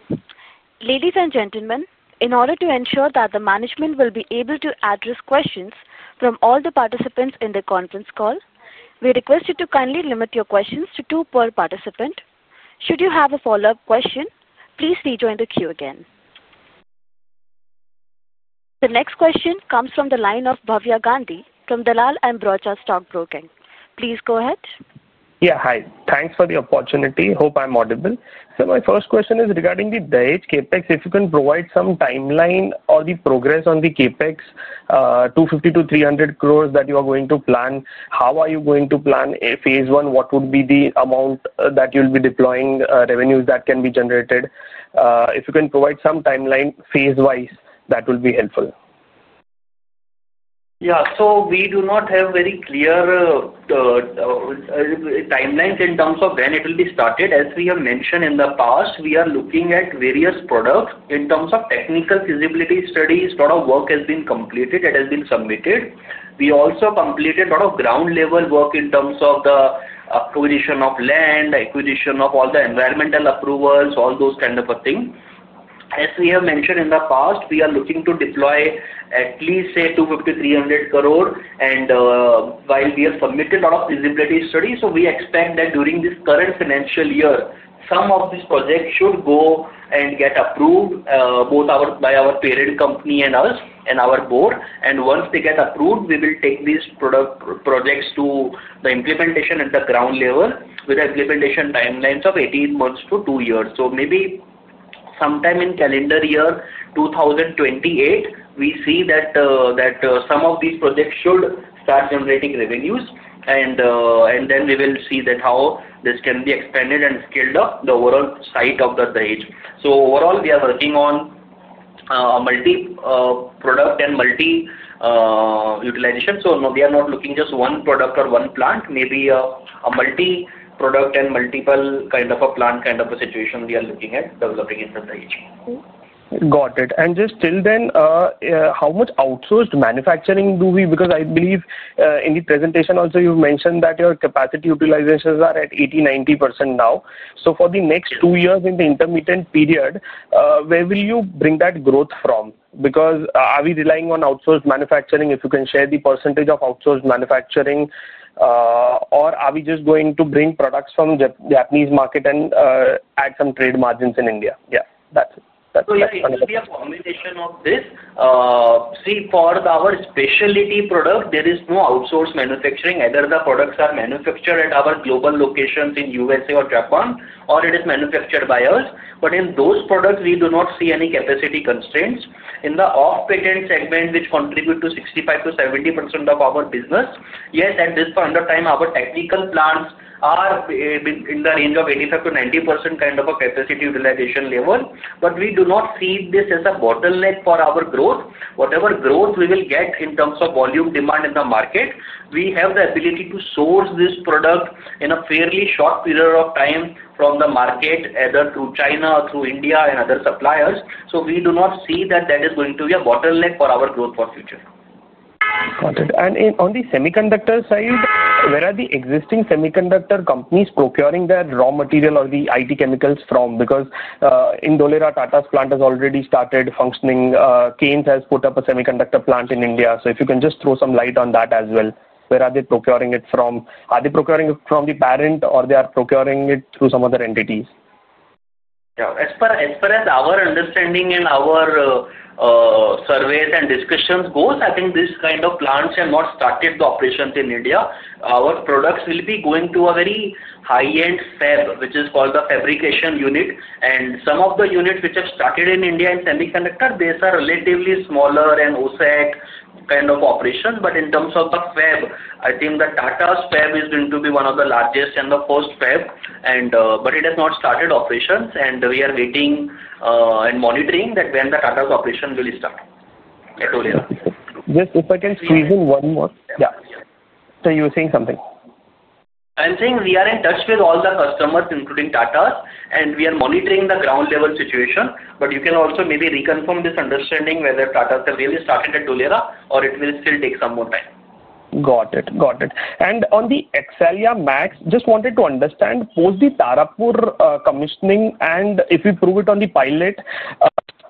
Ladies and gentlemen, in order to ensure that the management will be able to address questions from all the participants in the conference call, we request you to kindly limit your questions to two per participant. Should you have a follow-up question, please rejoin the queue again. The next question comes from the line of Bhavya Gandhi from Dalal & Broacha Stock Broking. Please go ahead. Yeah, hi. Thanks for the opportunity. Hope I'm audible. My first question is regarding the Dahej CapEx. If you can provide some timeline or the progress on the CapEx, 250 crores-300 crores that you are going to plan, how are you going to plan a phase one? What would be the amount that you'll be deploying, revenues that can be generated? If you can provide some timeline phase-wise, that will be helpful. Yeah. We do not have very clear timelines in terms of when it will be started. As we have mentioned in the past, we are looking at various products in terms of technical feasibility studies. A lot of work has been completed. It has been submitted. We also completed a lot of ground-level work in terms of the acquisition of land, acquisition of all the environmental approvals, all those kinds of things. As we have mentioned in the past, we are looking to deploy at least 250 crore, 300 crore. While we have submitted a lot of feasibility studies, we expect that during this current financial year, some of these projects should go and get approved both by our parent company and us and our board. Once they get approved, we will take these projects to the implementation at the ground level with the implementation timelines of 18 months to two years. Maybe sometime in calendar year 2028, we see that some of these projects should start generating revenues. We will see how this can be expanded and scaled up at the overall site of Dahej. Overall, we are working on a multi-product and multi-utilization. We are not looking at just one product or one plant. Maybe a multi-product and multiple kind of a plant situation we are looking at developing in Dahej. Got it. Just till then, how much outsourced manufacturing do we have? I believe in the presentation also, you mentioned that your capacity utilizations are at 80%-90% now. For the next two years in the intermittent period, where will you bring that growth from? Are we relying on outsourced manufacturing? If you can share the percentage of outsourced manufacturing, or are we just going to bring products from the Japanese market and add some trade margins in India? That's it. Let's be a combination of this. See, for our specialty products, there is no outsourced manufacturing. Either the products are manufactured at our global locations in the U.S. or Japan, or it is manufactured by us. In those products, we do not see any capacity constraints. In the off-patent segment, which contributes to 65%-70% of our business, yes, at this point of time, our technical plants are in the range of 85%-90% kind of a capacity utilization level. We do not see this as a bottleneck for our growth. Whatever growth we will get in terms of volume demand in the market, we have the ability to source this product in a fairly short period of time from the market, either through China or through India and other suppliers. We do not see that that is going to be a bottleneck for our growth for the future. Got it. On the semiconductor side, where are the existing semiconductor companies procuring that raw material or the IT chemicals from? Indore Tata's plant has already started functioning. Cane's has put up a semiconductor plant in India. If you can just throw some light on that as well. Where are they procuring it from? Are they procuring it from the parent, or are they procuring it through some other entities? Yeah. As far as our understanding and our surveys and discussions go, I think these kind of plants have not started the operations in India. Our products will be going to a very high-end fab, which is called the fabrication unit. Some of the units which have started in India in semiconductor, these are relatively smaller and OSAT kind of operations. In terms of the fab, I think the Tata's fab is going to be one of the largest and the first fab. It has not started operations. We are waiting and monitoring that when the Tata's operation will start at Indore. Just if I can squeeze in one more. Yeah. You were saying something. I'm saying we are in touch with all the customers, including Tata, and we are monitoring the ground-level situation. You can also maybe reconfirm this understanding, whether Tata has really started at Indolera, or it will still take some more time. Got it. Got it. On the Excalia Max, just wanted to understand, post the Tarapur commissioning, and if we prove it on the pilot,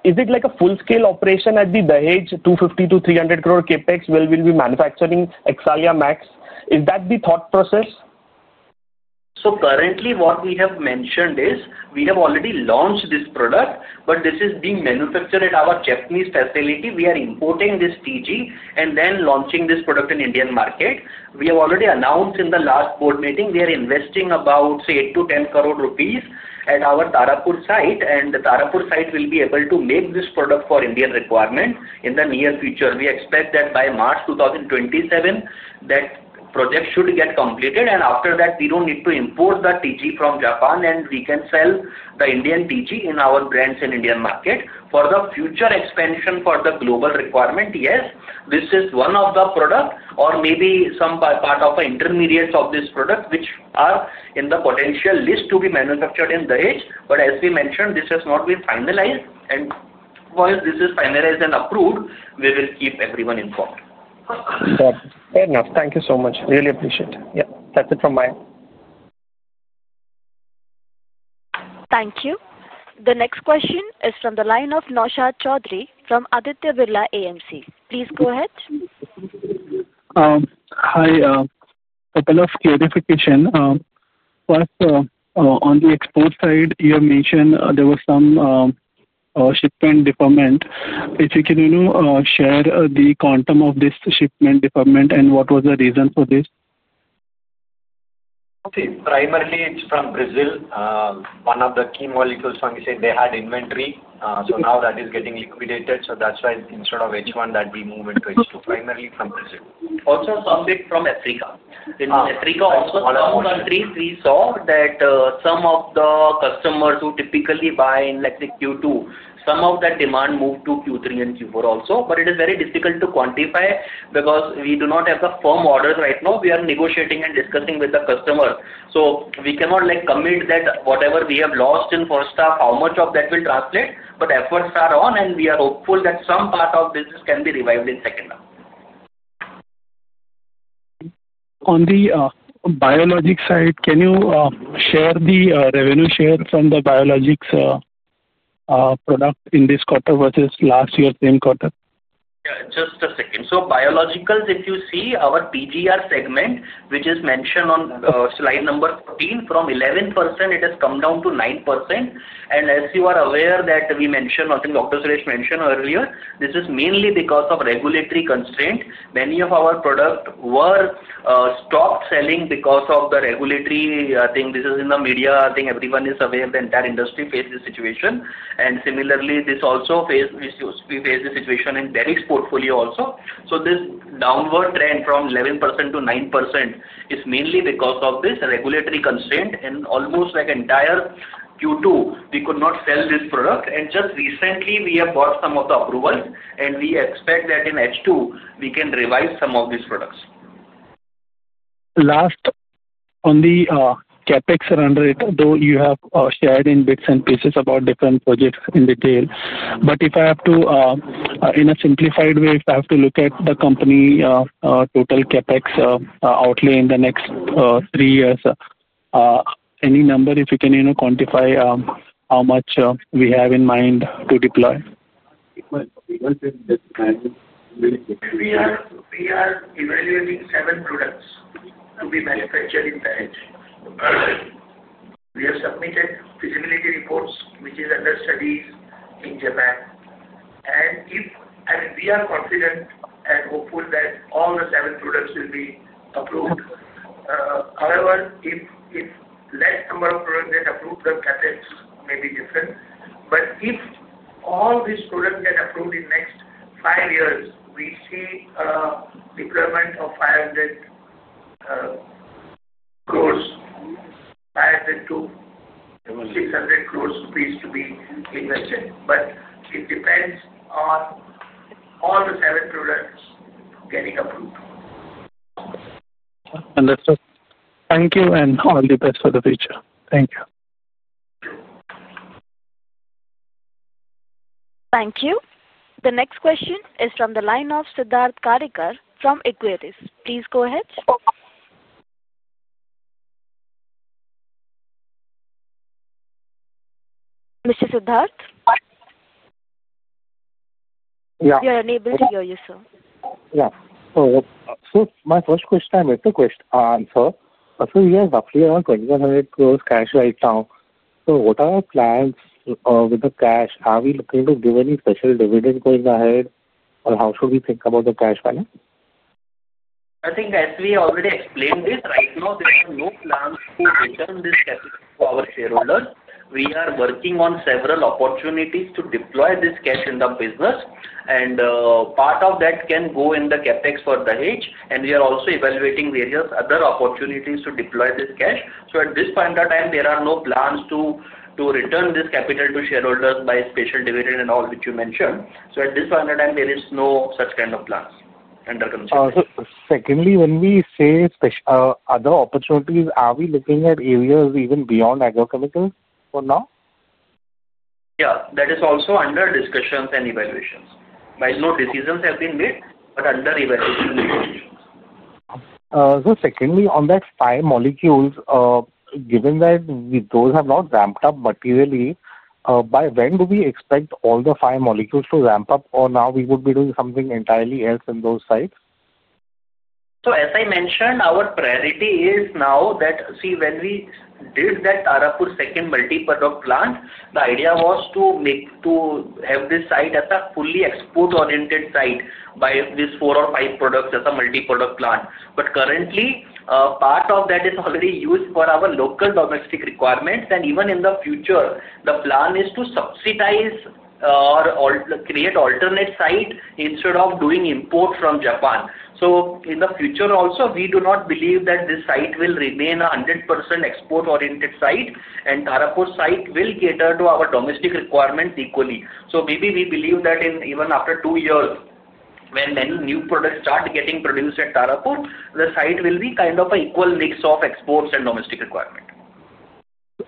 is it like a full-scale operation at the Dahej 250-300 crore CapEx where we'll be manufacturing Excalia Max? Is that the thought process? Currently, what we have mentioned is we have already launched this product, but this is being manufactured at our Japanese facility. We are importing this TG and then launching this product in the Indian market. We have already announced in the last board meeting we are investing about 8 crore-10 crore rupees at our Tarapur site. The Tarapur site will be able to make this product for Indian requirements in the near future. We expect that by March 2027, that project should get completed. After that, we don't need to import the TG from Japan, and we can sell the Indian TG in our brands in the Indian market. For the future expansion for the global requirement, yes, this is one of the products or maybe some part of the intermediates of this product, which are in the potential list to be manufactured in Dahej. As we mentioned, this has not been finalized. Once this is finalized and approved, we will keep everyone informed. Fair enough. Thank you so much. Really appreciate it. That's it from my end. Thank you. The next question is from the line of Naushad Chaudhary from Aditya Birla AMC. Please go ahead. Hi. A couple of clarifications. First, on the export side, you have mentioned there was some shipment deferment. If you can, you know, share the quantum of this shipment deferment and what was the reason for this? Okay. Primarily, it's from Brazil. One of the key molecules from Brazil, they had inventory. Now that is getting liquidated, that's why instead of H1, that will move into H2, primarily from Brazil. Also, some of it from Africa. In Africa, also some countries, we saw that some of the customers who typically buy in, let's say, Q2, some of that demand moved to Q3 and Q4 also. It is very difficult to quantify because we do not have the firm orders right now. We are negotiating and discussing with the customer. We cannot like commit that whatever we have lost in the first half, how much of that will translate. Efforts are on, and we are hopeful that some part of business can be revived in the second half. On the biologics side, can you share the revenue share from the biologics product in this quarter versus last year's same quarter? Yeah. Just a second. So biologicals, if you see our PGR segment, which is mentioned on slide number 14, from 11% it has come down to 9%. As you are aware, we mentioned, I think Dr. Suresh mentioned earlier, this is mainly because of regulatory constraints. Many of our products were stopped selling because of the regulatory thing. This is in the media. I think everyone is aware. The entire industry faced this situation. We also faced this situation in the Derrick's portfolio. This downward trend from 11%-9% is mainly because of this regulatory constraint. Almost the entire Q2, we could not sell this product. Just recently, we have got some of the approvals, and we expect that in H2, we can revive some of these products. Last, on the CapEx and under it, though you have shared in bits and pieces about different projects in detail, if I have to, in a simplified way, look at the company total CapEx outlay in the next three years, any number, if you can quantify how much we have in mind to deploy? We are evaluating seven products to be manufactured in Dahej. We have submitted feasibility reports, which are under studies in Japan. We are confident and hopeful that all the seven products will be approved. However, if a less number of products get approved, the CapEx may be different. If all these products get approved in the next five years, we see a deployment of 500 crore, 500 crore-600 crore rupees to be invested. It depends on all the seven products getting approved. Understood. Thank you, and all the best for the future. Thank you. Thank you. The next question is from the line of Siddharth Gadekar from Equirus. Please go ahead. Mr. Siddharth? Yeah. You're unable to hear you, sir. Yeah. My first question I have is to question answer. You have a clear 1,100 crore cash right now. What are our plans with the cash? Are we looking to give any special dividends going ahead? How should we think about the cash balance? I think as we already explained this, right now, there are no plans to return this capital to our shareholders. We are working on several opportunities to deploy this cash in the business. Part of that can go in the CapEx for Dahej. We are also evaluating various other opportunities to deploy this cash. At this point of time, there are no plans to return this capital to shareholders by special dividends and all which you mentioned. At this point of time, there are no such kind of plans under consideration. Secondly, when we say special other opportunities, are we looking at areas even beyond agrochemicals for now? Yeah, that is also under discussions and evaluations. Right now, decisions have been made, but under evaluation and discussions. Secondly, on that five molecules, given that those have not ramped up materially, by when do we expect all the five molecules to ramp up? Or now would we be doing something entirely else in those sites? As I mentioned, our priority is now that, see, when we did that Tarapur second multi-product plant, the idea was to have this site as a fully export-oriented site by these four or five products as a multi-product plant. Currently, part of that is already used for our local domestic requirements. Even in the future, the plan is to subsidize or create an alternate site instead of doing imports from Japan. In the future also, we do not believe that this site will remain a 100% export-oriented site. The Tarapur site will cater to our domestic requirements equally. We believe that even after two years, when many new products start getting produced at Tarapur, the site will be kind of an equal mix of exports and domestic requirement.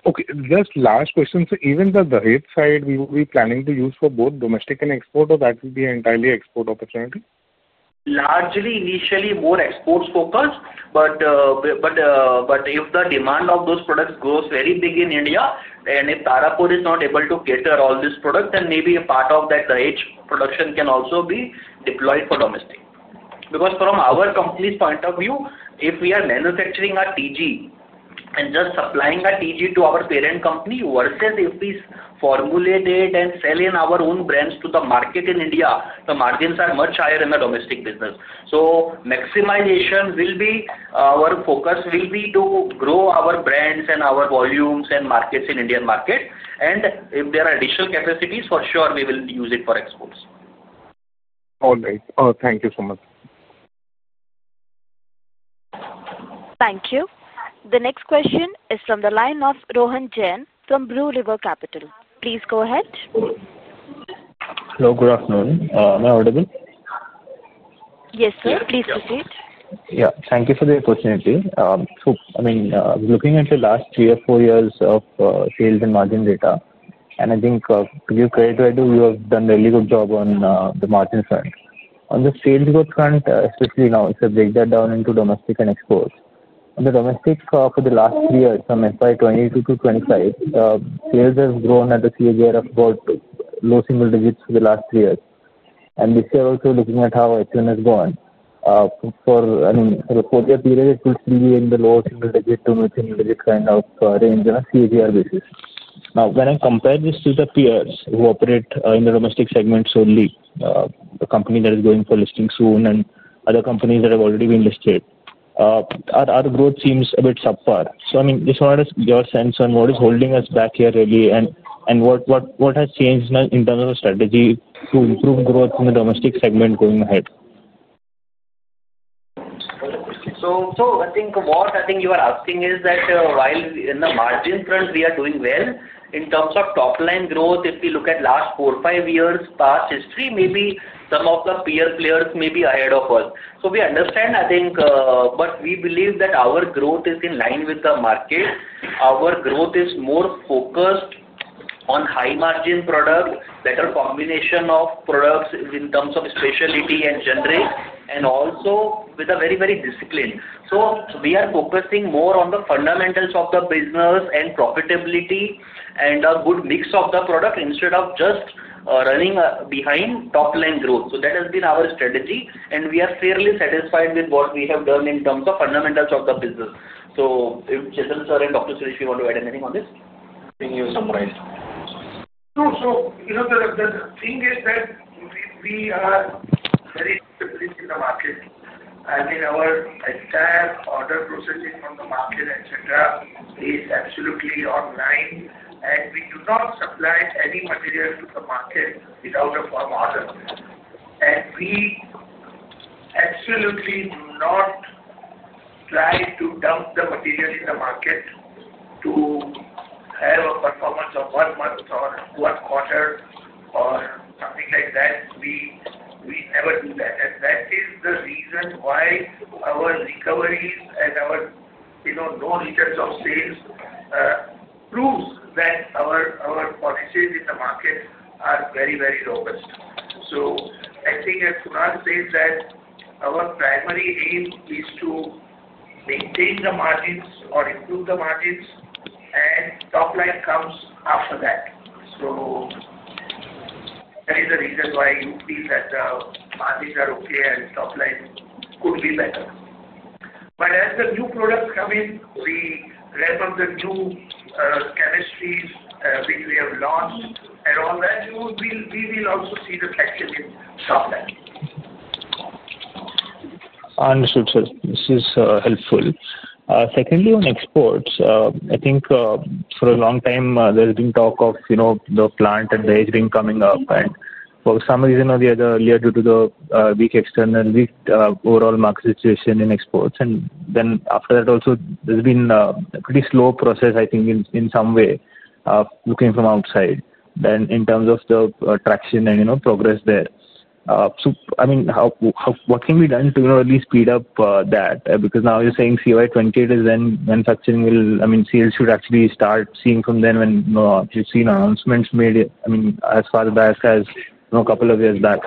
Okay. Just last question. Even the Dahej site, we will be planning to use for both domestic and export, or that will be an entirely export opportunity? Largely, initially, more exports focused. If the demand of those products grows very big in India, and if Tarapur is not able to cater all these products, then maybe a part of that Dahej production can also be deployed for domestic. From our company's point of view, if we are manufacturing our TG and just supplying our TG to our parent company versus if we formulate it and sell in our own brands to the market in India, the margins are much higher in the domestic business. Maximization will be our focus, will be to grow our brands and our volumes and markets in the Indian market. If there are additional capacities, for sure, we will use it for exports. All right. Thank you so much. Thank you. The next question is from the line of Rohan Jain from Blue River Capital. Please go ahead. Hello. Good afternoon. Am I audible? Yes, sir. Please proceed. Thank you for the opportunity. I mean, looking at the last three or four years of sales and margin data, and I think to give credit where it is due, you have done a really good job on the margin front. On the sales growth front, especially now, if I break that down into domestic and exports, on the domestic for the last three years, from FY 2022 to FY 2025, sales have grown at a CAGR of about low single digits for the last three years. This year, also looking at how H1 has gone, for the four-year period, it would still be in the low single-digit to mid-single-digit kind of range on a CAGR basis. When I compare this to the peers who operate in the domestic segments only, the company that is going for listing soon and other companies that have already been listed, our growth seems a bit subpar. I just wanted to get your sense on what is holding us back here really and what has changed in terms of strategy to improve growth in the domestic segment going ahead. I think what you are asking is that while on the margin front, we are doing well in terms of top-line growth, if we look at the last four or five years' past history, maybe some of the peer players may be ahead of us. We understand, but we believe that our growth is in line with the market. Our growth is more focused on high-margin products, better combination of products in terms of specialty and genres, and also with a very, very discipline. We are focusing more on the fundamentals of the business and profitability and a good mix of the products instead of just running behind top-line growth. That has been our strategy. We are fairly satisfied with what we have done in terms of fundamentals of the business. If Chetan, sir, and Dr. Suresh, if you want to add anything on this. Can you summarize? Sure. The thing is that we are very disciplined in the market. I mean, our staff, order processing from the market, etc., is absolutely online. We do not supply any material to the market without a formal order. We absolutely do not try to dump the material in the market to have a performance of one month or one quarter or something like that. We never do that. That is the reason why our recoveries and our, you know, no returns of sales, proves that our policies in the market are very, very robust. I think as Kunal said, our primary aim is to maintain the margins or improve the margins, and top-line comes after that. That is the reason why you feel that the margins are okay and top-line could be better. As the new products come in, we wrap up the new chemistries, which we have launched and all that. We will also see the traction in the top line. Understood, sir. This is helpful. Secondly, on exports, I think for a long time, there has been talk of the plant in Dahej coming up. For some reason or the other, due to the weak external, weak overall market situation in exports, and after that also, there's been a pretty slow process, I think, in some way, looking from outside. In terms of the traction and progress there, what can be done to at least speed up that? Because now you're saying CY 2028 is when manufacturing will, I mean, sales should actually start seeing from then, when you've seen announcements made as far back as a couple of years back.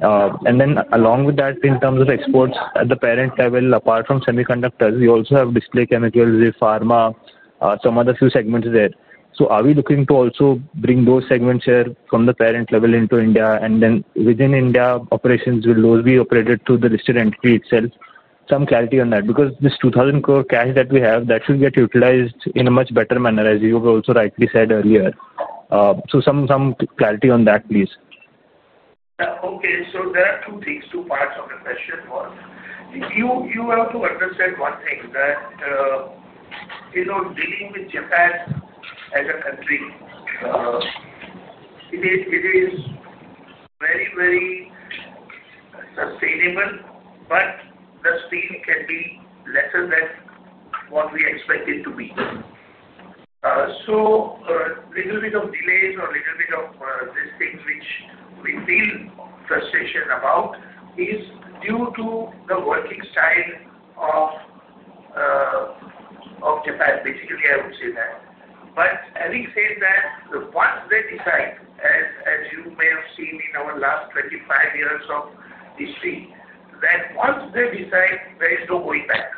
Along with that, in terms of exports at the parent level, apart from semiconductors, you also have display chemicals, pharma, some other few segments there. Are we looking to also bring those segments here from the parent level into India? Within India operations, will those be operated through the listed entity itself? Some clarity on that because this 2,000 crore cash that we have, that should get utilized in a much better manner, as you have also rightly said earlier. Some clarity on that, please. Yeah. Okay. There are two things, two parts of the question. One, you have to understand one thing, that, you know, dealing with Japan as a country, it is very, very sustainable, but the speed can be lesser than what we expect it to be. A little bit of delays or a little bit of these things which we feel frustration about is due to the working style of Japan, basically, I would say that. Having said that, once they decide, as you may have seen in our last 25 years of history, that once they decide, there is no going back.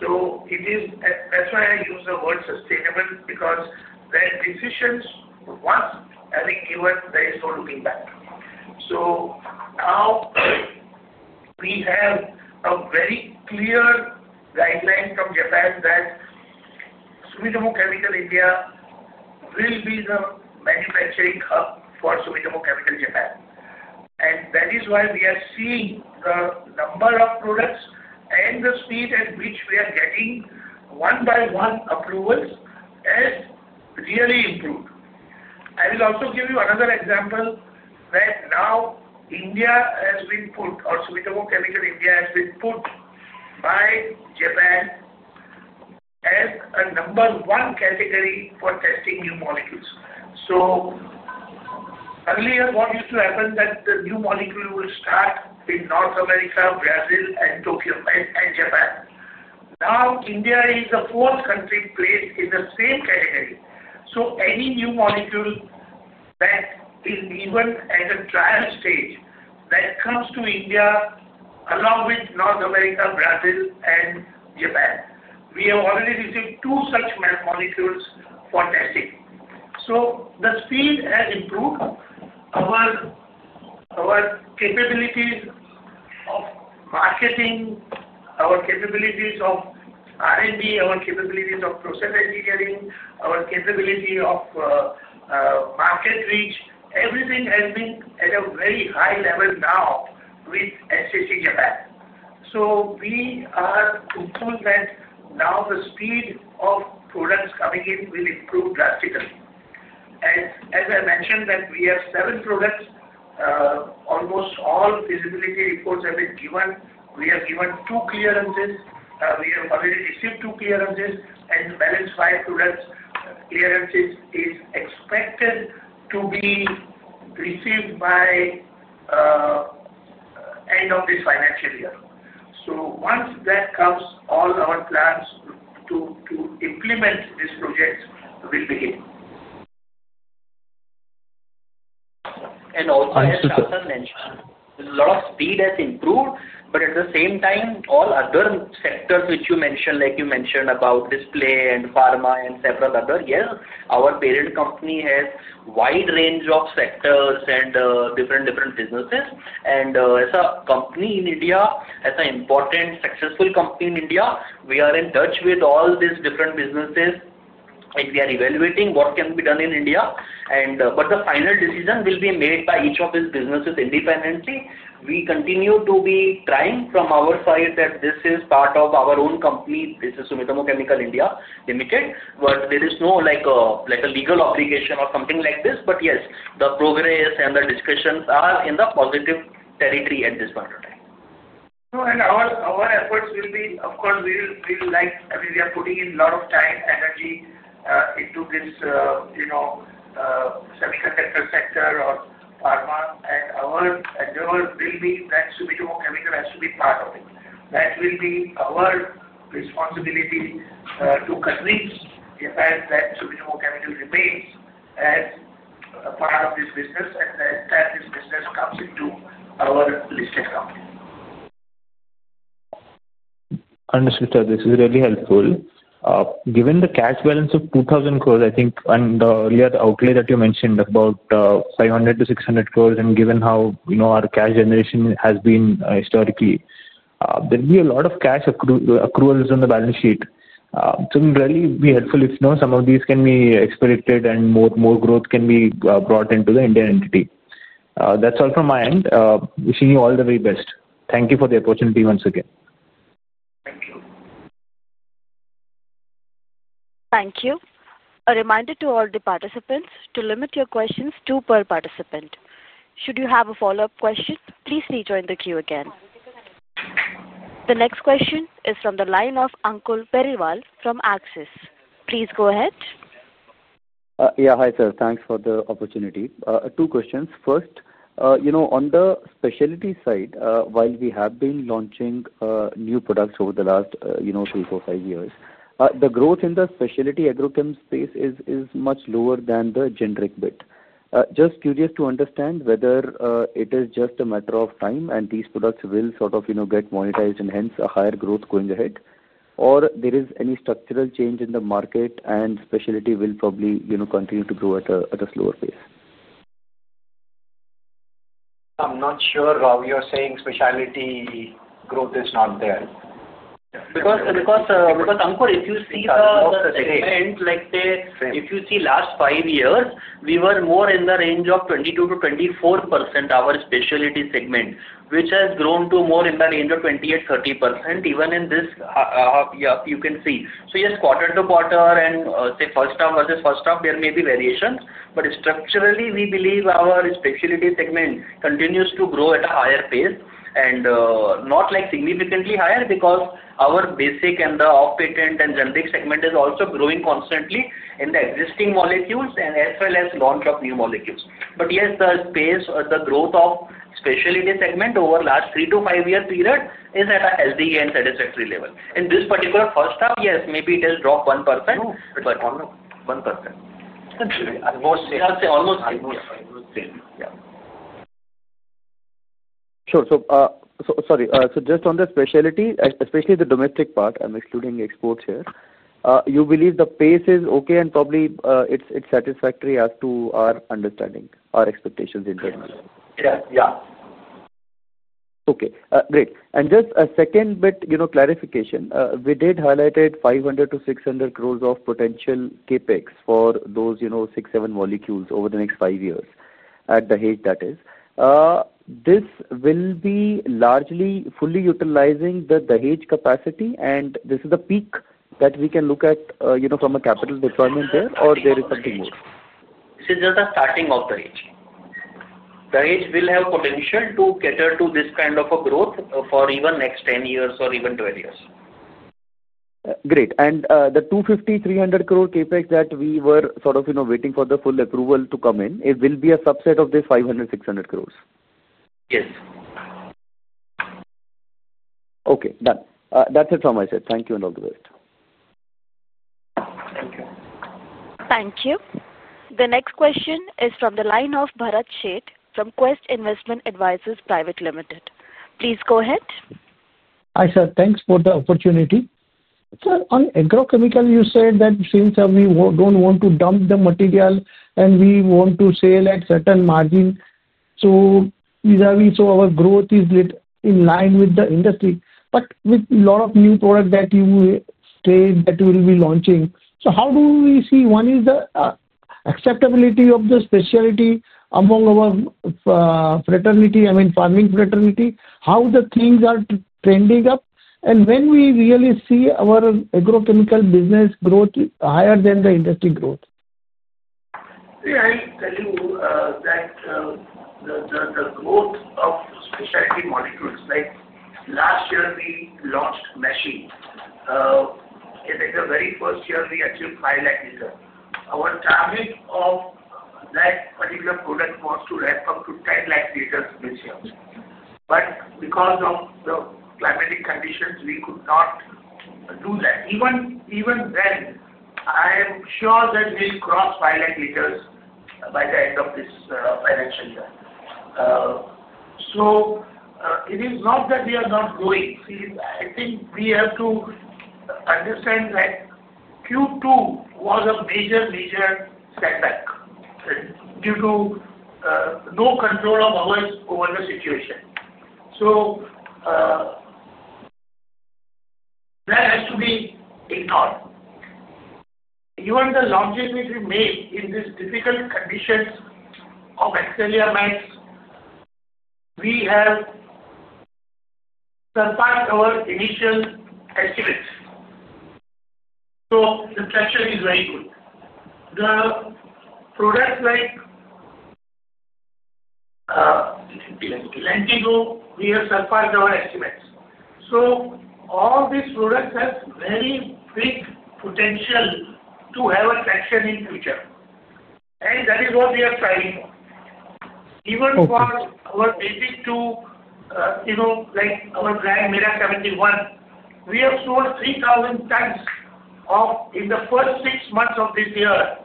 That is why I use the word sustainable because their decisions, once having given, there is no looking back. Now we have a very clear guideline from Japan that Sumitomo Chemical India will be the manufacturing hub for Sumitomo Chemical Japan. That is why we are seeing the number of products and the speed at which we are getting one-by-one approvals has really improved. I will also give you another example that now India has been put, or Sumitomo Chemical India has been put by Japan as a number one category for testing new molecules. Earlier, what used to happen is that the new molecules would start in North America, Brazil, and Tokyo, and Japan. Now India is the fourth country placed in the same category. Any new molecule that is even at a trial stage that comes to India along with North America, Brazil, and Japan, we have already received two such molecules for testing. The speed has improved. Our capabilities of marketing, our capabilities of R&D, our capabilities of process engineering, our capability of market reach, everything has been at a very high level now with SCCL Japan. We are hopeful that now the speed of products coming in will improve drastically. As I mentioned, we have seven products. Almost all feasibility reports have been given. We have given two clearances. We have already received two clearances. The balance of five products clearances is expected to be received by the end of this financial year. Once that comes, all our plans to implement this project will begin. As Chetan mentioned, a lot of speed has improved. At the same time, all other sectors which you mentioned, like you mentioned about display and pharma and several others, yes, our parent company has a wide range of sectors. Different businesses and as a company in India, as an important successful company in India, we are in touch with all these different businesses. We are evaluating what can be done in India, and the final decision will be made by each of these businesses independently. We continue to be trying from our side that this is part of our own company. This is Sumitomo Chemical India Limited. There is no legal obligation or something like this. Yes, the progress and the discussions are in the positive territory at this point of time. Our efforts will be, of course, we will, like, I mean, we are putting in a lot of time, energy, into this, you know, semiconductor sector or pharma. Our endeavor will be that Sumitomo Chemical has to be part of it. That will be our responsibility, to convince Japan that Sumitomo Chemical remains as a part of this business and that this business comes into our listed company. Understood. This is really helpful. Given the cash balance of 2,000 crores, I think, and the earlier outlay that you mentioned about 500 crores-600 crores, and given how our cash generation has been historically, there will be a lot of cash accruals on the balance sheet. It will really be helpful if some of these can be expedited and more and more growth can be brought into the Indian entity. That's all from my end. Wishing you all the very best. Thank you for the opportunity once again. Thank you. Thank you. A reminder to all the participants to limit your questions to per participant. Should you have a follow-up question, please rejoin the queue again. The next question is from the line of Ankul Periwal from Axis. Please go ahead. Yeah. Hi, sir. Thanks for the opportunity. Two questions. First, on the specialty side, while we have been launching new products over the last three, four, five years, the growth in the specialty agrochem space is much lower than the generic bit. Just curious to understand whether it is just a matter of time and these products will sort of get monetized and hence a higher growth going ahead, or there is any structural change in the market and specialty will probably continue to grow at a slower pace. I'm not sure. We are saying specialty growth is not there. Because, Ankur, if you see the segment, like if you see last five years, we were more in the range of 22%-24%, our specialty segment, which has grown to more in the range of 28%, 30%. Even in this half, yeah, you can see. Quarter to quarter and, say, first half versus first half, there may be variations. Structurally, we believe our specialty segment continues to grow at a higher pace. Not like significantly higher because our basic and the off-patent and generic segment is also growing constantly in the existing molecules and as well as launch of new molecules. The space, the growth of specialty segment over the last three to five-year period is at a healthy and satisfactory level. In this particular first half, maybe it has dropped 1%, but 1%. That's almost the same. Yeah, that's almost the same. Yeah. Sure. Just on the specialty, especially the domestic part, I'm excluding exports here, you believe the pace is okay and probably it's satisfactory as to our understanding, our expectations internally? Yes. Yeah. Okay. Great. Just a second bit, you know, clarification. We did highlight it, 500 crore-600 crore of potential CapEx for those, you know, six, seven molecules over the next five years at Dahej, that is. This will be largely fully utilizing the Dahej capacity, and this is the peak that we can look at, you know, from a capital deployment there, or there is something more? This is just the starting of the hedge. The hedge will have potential to cater to this kind of a growth for even the next 10 years or even 12 years. The 250 crore-300 crore CapEx that we were sort of, you know, waiting for the full approval to come in, it will be a subset of this 500 crore-600 crores? Yes. Okay, done. That's it from my side. Thank you and all the best. Thank you. Thank you. The next question is from the line of Bharat Sheth from Quest Investment Advisors Pvt. Ltd. Please go ahead. Hi, sir. Thanks for the opportunity. Sir, on agrochemicals, you said that since we don't want to dump the material and we want to sell at certain margins, we saw our growth is a bit in line with the industry. With a lot of new products that you say that you will be launching, how do we see, one is the acceptability of the specialty among our fraternity, I mean, farming fraternity, how the things are trending up, and when we really see our agrochemical business growth higher than the industry growth? I'll tell you that the growth of specialty molecules, like last year, we launched Mashi. In the very first year, we achieved 5 lakh liters. Our target of that particular product was to ramp up to 10 lakh liters this year. Because of the climatic conditions, we could not do that. Even then, I am sure that we'll cross 5 lakh liters by the end of this financial year. It is not that we are not growing. I think we have to understand that Q2 was a major, major setback due to no control of ours over the situation. That has to be ignored. Even the launches which we made in these difficult conditions of Excalia Max, we have surpassed our initial estimates. The structure is very good. The products like Lentigo, we have surpassed our estimates. All these products have very big potential to have a traction in the future. That is what we are striving for. Even for our basic to, you know, like our brand Mera 71, we have sold 3,000 tons in the first six months of this year,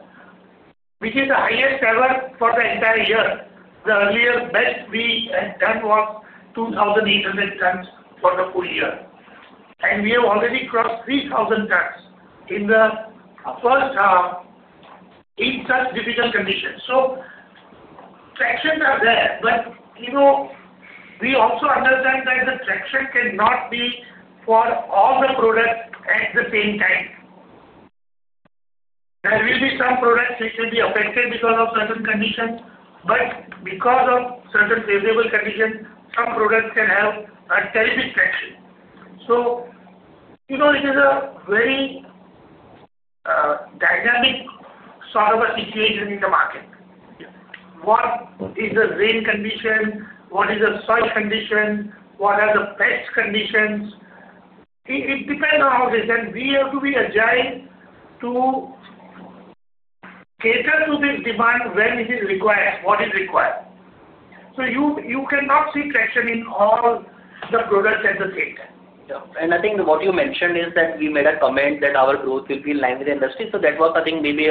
which is the highest ever for the entire year. The earlier best we had done was 2,800 tons for the full year. We have already crossed 3,000 tons in the first half in such difficult conditions. Traction is there. You know we also understand that the traction cannot be for all the products at the same time. There will be some products which will be affected because of certain conditions. Because of certain favorable conditions, some products can have a terrible traction. You know it is a very dynamic sort of a situation in the market. Yeah, what is the rain condition? What is the soil condition? What are the pest conditions? It depends on all this. We have to be agile to cater to this demand when it is required, what is required. You cannot see traction in all the products at the same time. Yeah. I think what you mentioned is that we made a comment that our growth will be in line with the industry. That was, I think, maybe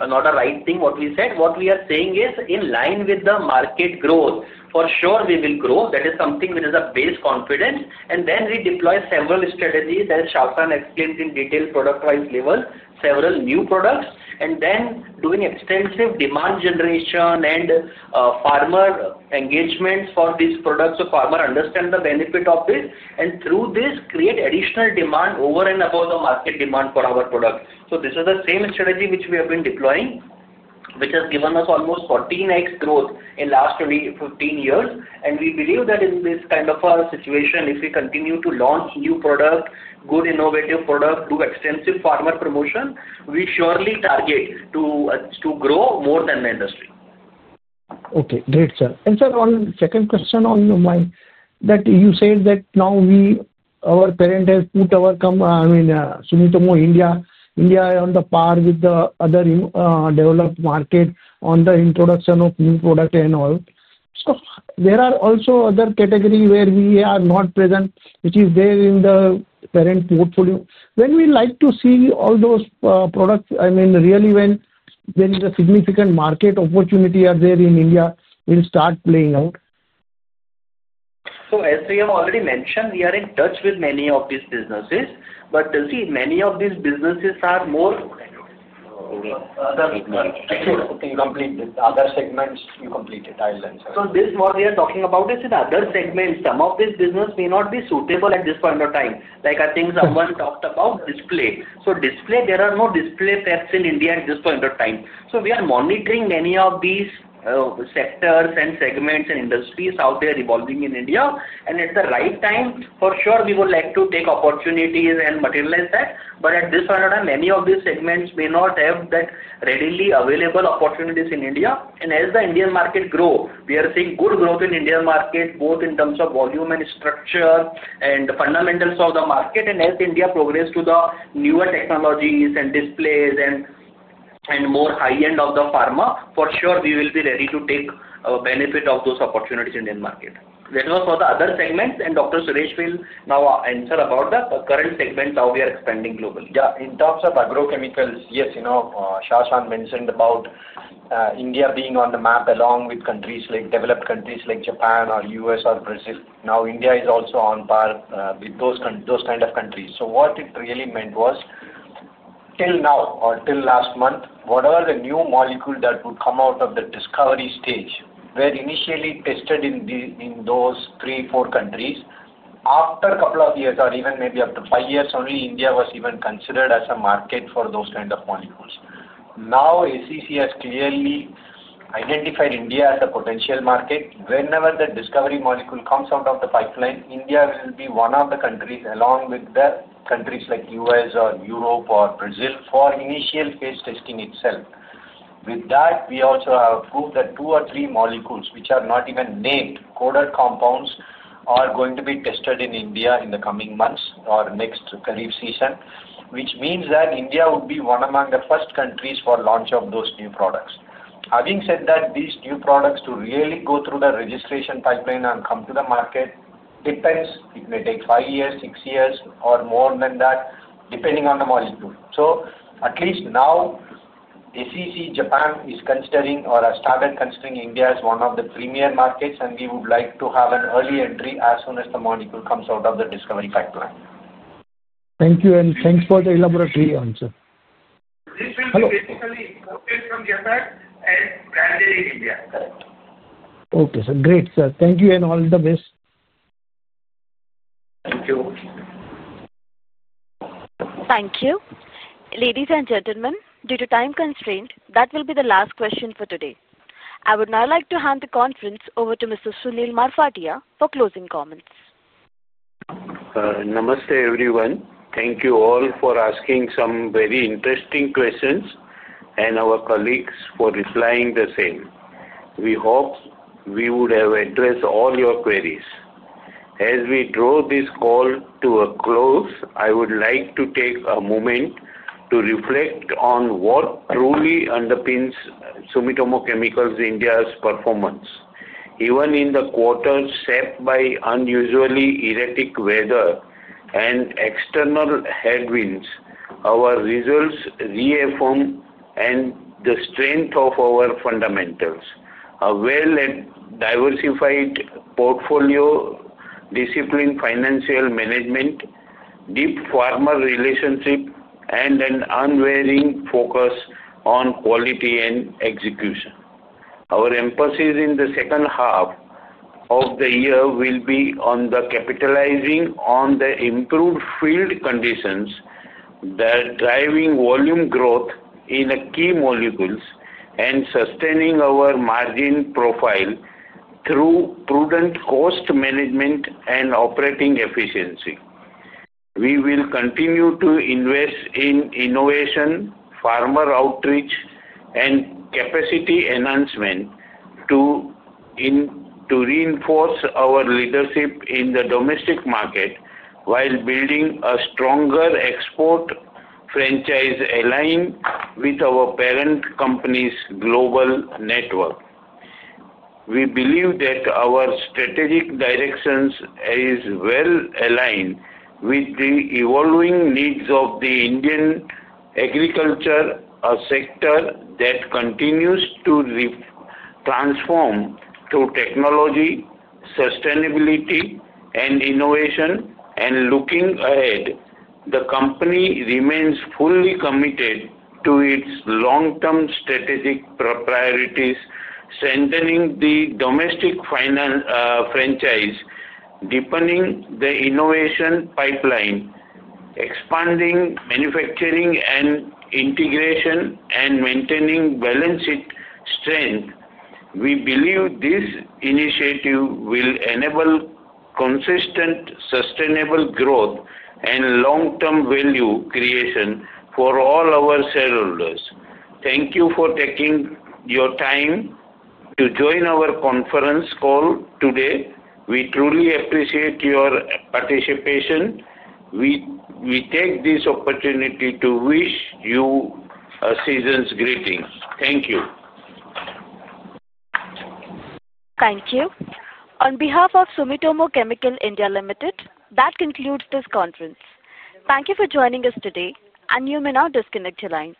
not a right thing what we said. What we are saying is in line with the market growth. For sure, we will grow. That is something which is a base confidence. We deploy several strategies as Chetan explained in detail product-wise level, several new products, and then doing extensive demand generation and farmer engagements for these products so farmers understand the benefit of this. Through this, we create additional demand over and above the market demand for our product. This is the same strategy which we have been deploying, which has given us almost 14x growth in the last 15 years. We believe that in this kind of a situation, if we continue to launch new products, good innovative products, do extensive farmer promotion, we surely target to grow more than the industry. Okay. Great, sir. One second question on my that you said that now our parent has put Sumitomo India on par with the other developed markets on the introduction of new products and all. There are also other categories where we are not present, which is there in the parent portfolio. When we like to see all those products, I mean, really when there is a significant market opportunity out there in India, we'll start playing out. As we have already mentioned, we are in touch with many of these businesses. Many of these businesses are more other segments. Sure. You complete it. Other segments, you complete it. I'll answer. What we are talking about is in other segments. Some of these businesses may not be suitable at this point of time. I think someone talked about display. Display, there are no display fairs in India at this point of time. We are monitoring many of these sectors, segments, and industries out there evolving in India. At the right time, for sure, we would like to take opportunities and materialize that. At this point of time, many of these segments may not have that readily available opportunities in India. As the Indian market grows, we are seeing good growth in the Indian market, both in terms of volume and structure and the fundamentals of the market. As India progresses to the newer technologies and displays and more high-end of the pharma, for sure, we will be ready to take a benefit of those opportunities in the Indian market. That was for the other segments. Dr. Suresh will now answer about the current segments, how we are expanding globally. Yeah. In terms of agrochemicals, yes, Chetan mentioned about India being on the map along with countries like developed countries like Japan or the U.S. or Brazil. Now, India is also on par with those kinds of countries. What it really meant was, till now or till last month, whatever the new molecule that would come out of the discovery stage were initially tested in those three, four countries. After a couple of years or even maybe up to five years, only India was even considered as a market for those kinds of molecules. Now, SCCL has clearly identified India as a potential market. Whenever the discovery molecule comes out of the pipeline, India will be one of the countries along with countries like the U.S. or Europe or Brazil for initial phase testing itself. With that, we also have proved that two or three molecules, which are not even named, coded compounds, are going to be tested in India in the coming months or next Rabi season, which means that India would be one among the first countries for launch of those new products. Having said that, these new products to really go through the registration pipeline and come to the market depends. It may take five years, six years, or more than that, depending on the molecule. At least now, SCCL in Japan is considering or has started considering India as one of the premier markets. We would like to have an early entry as soon as the molecule comes out of the discovery pipeline. Thank you, and thanks for the elaborative answer. Hello. Basically, imported from Japan and branded in India. Okay, sir. Great, sir. Thank you and all the best. Thank you. Thank you. Ladies and gentlemen, due to time constraints, that will be the last question for today. I would now like to hand the conference over to Mr. Sushil Marfatia for closing comments. Namaste, everyone. Thank you all for asking some very interesting questions and our colleagues for replying the same. We hope we would have addressed all your queries. As we draw this call to a close, I would like to take a moment to reflect on what truly underpins Sumitomo Chemical India's performance. Even in the quarter set by unusually erratic weather and external headwinds, our results reaffirm the strength of our fundamentals, a well-diversified portfolio, disciplined financial management, deep farmer relationship, and an unwavering focus on quality and execution. Our emphasis in the second half of the year will be on capitalizing on the improved field conditions that are driving volume growth in key molecules and sustaining our margin profile through prudent cost management and operating efficiency. We will continue to invest in innovation, farmer outreach, and capacity enhancement to reinforce our leadership in the domestic market while building a stronger export franchise aligned with our parent company's global network. We believe that our strategic direction is well aligned with the evolving needs of Indian agriculture, a sector that continues to transform through technology, sustainability, and innovation. Looking ahead, the company remains fully committed to its long-term strategic priorities, strengthening the domestic finance franchise, deepening the innovation pipeline, expanding manufacturing and integration, and maintaining balance sheet strength. We believe this initiative will enable consistent, sustainable growth and long-term value creation for all our shareholders. Thank you for taking your time to join our conference call today. We truly appreciate your participation. We take this opportunity to wish you a season's greeting. Thank you. Thank you. On behalf of Sumitomo Chemical India Limited, that concludes this conference. Thank you for joining us today, and you may now disconnect your lines.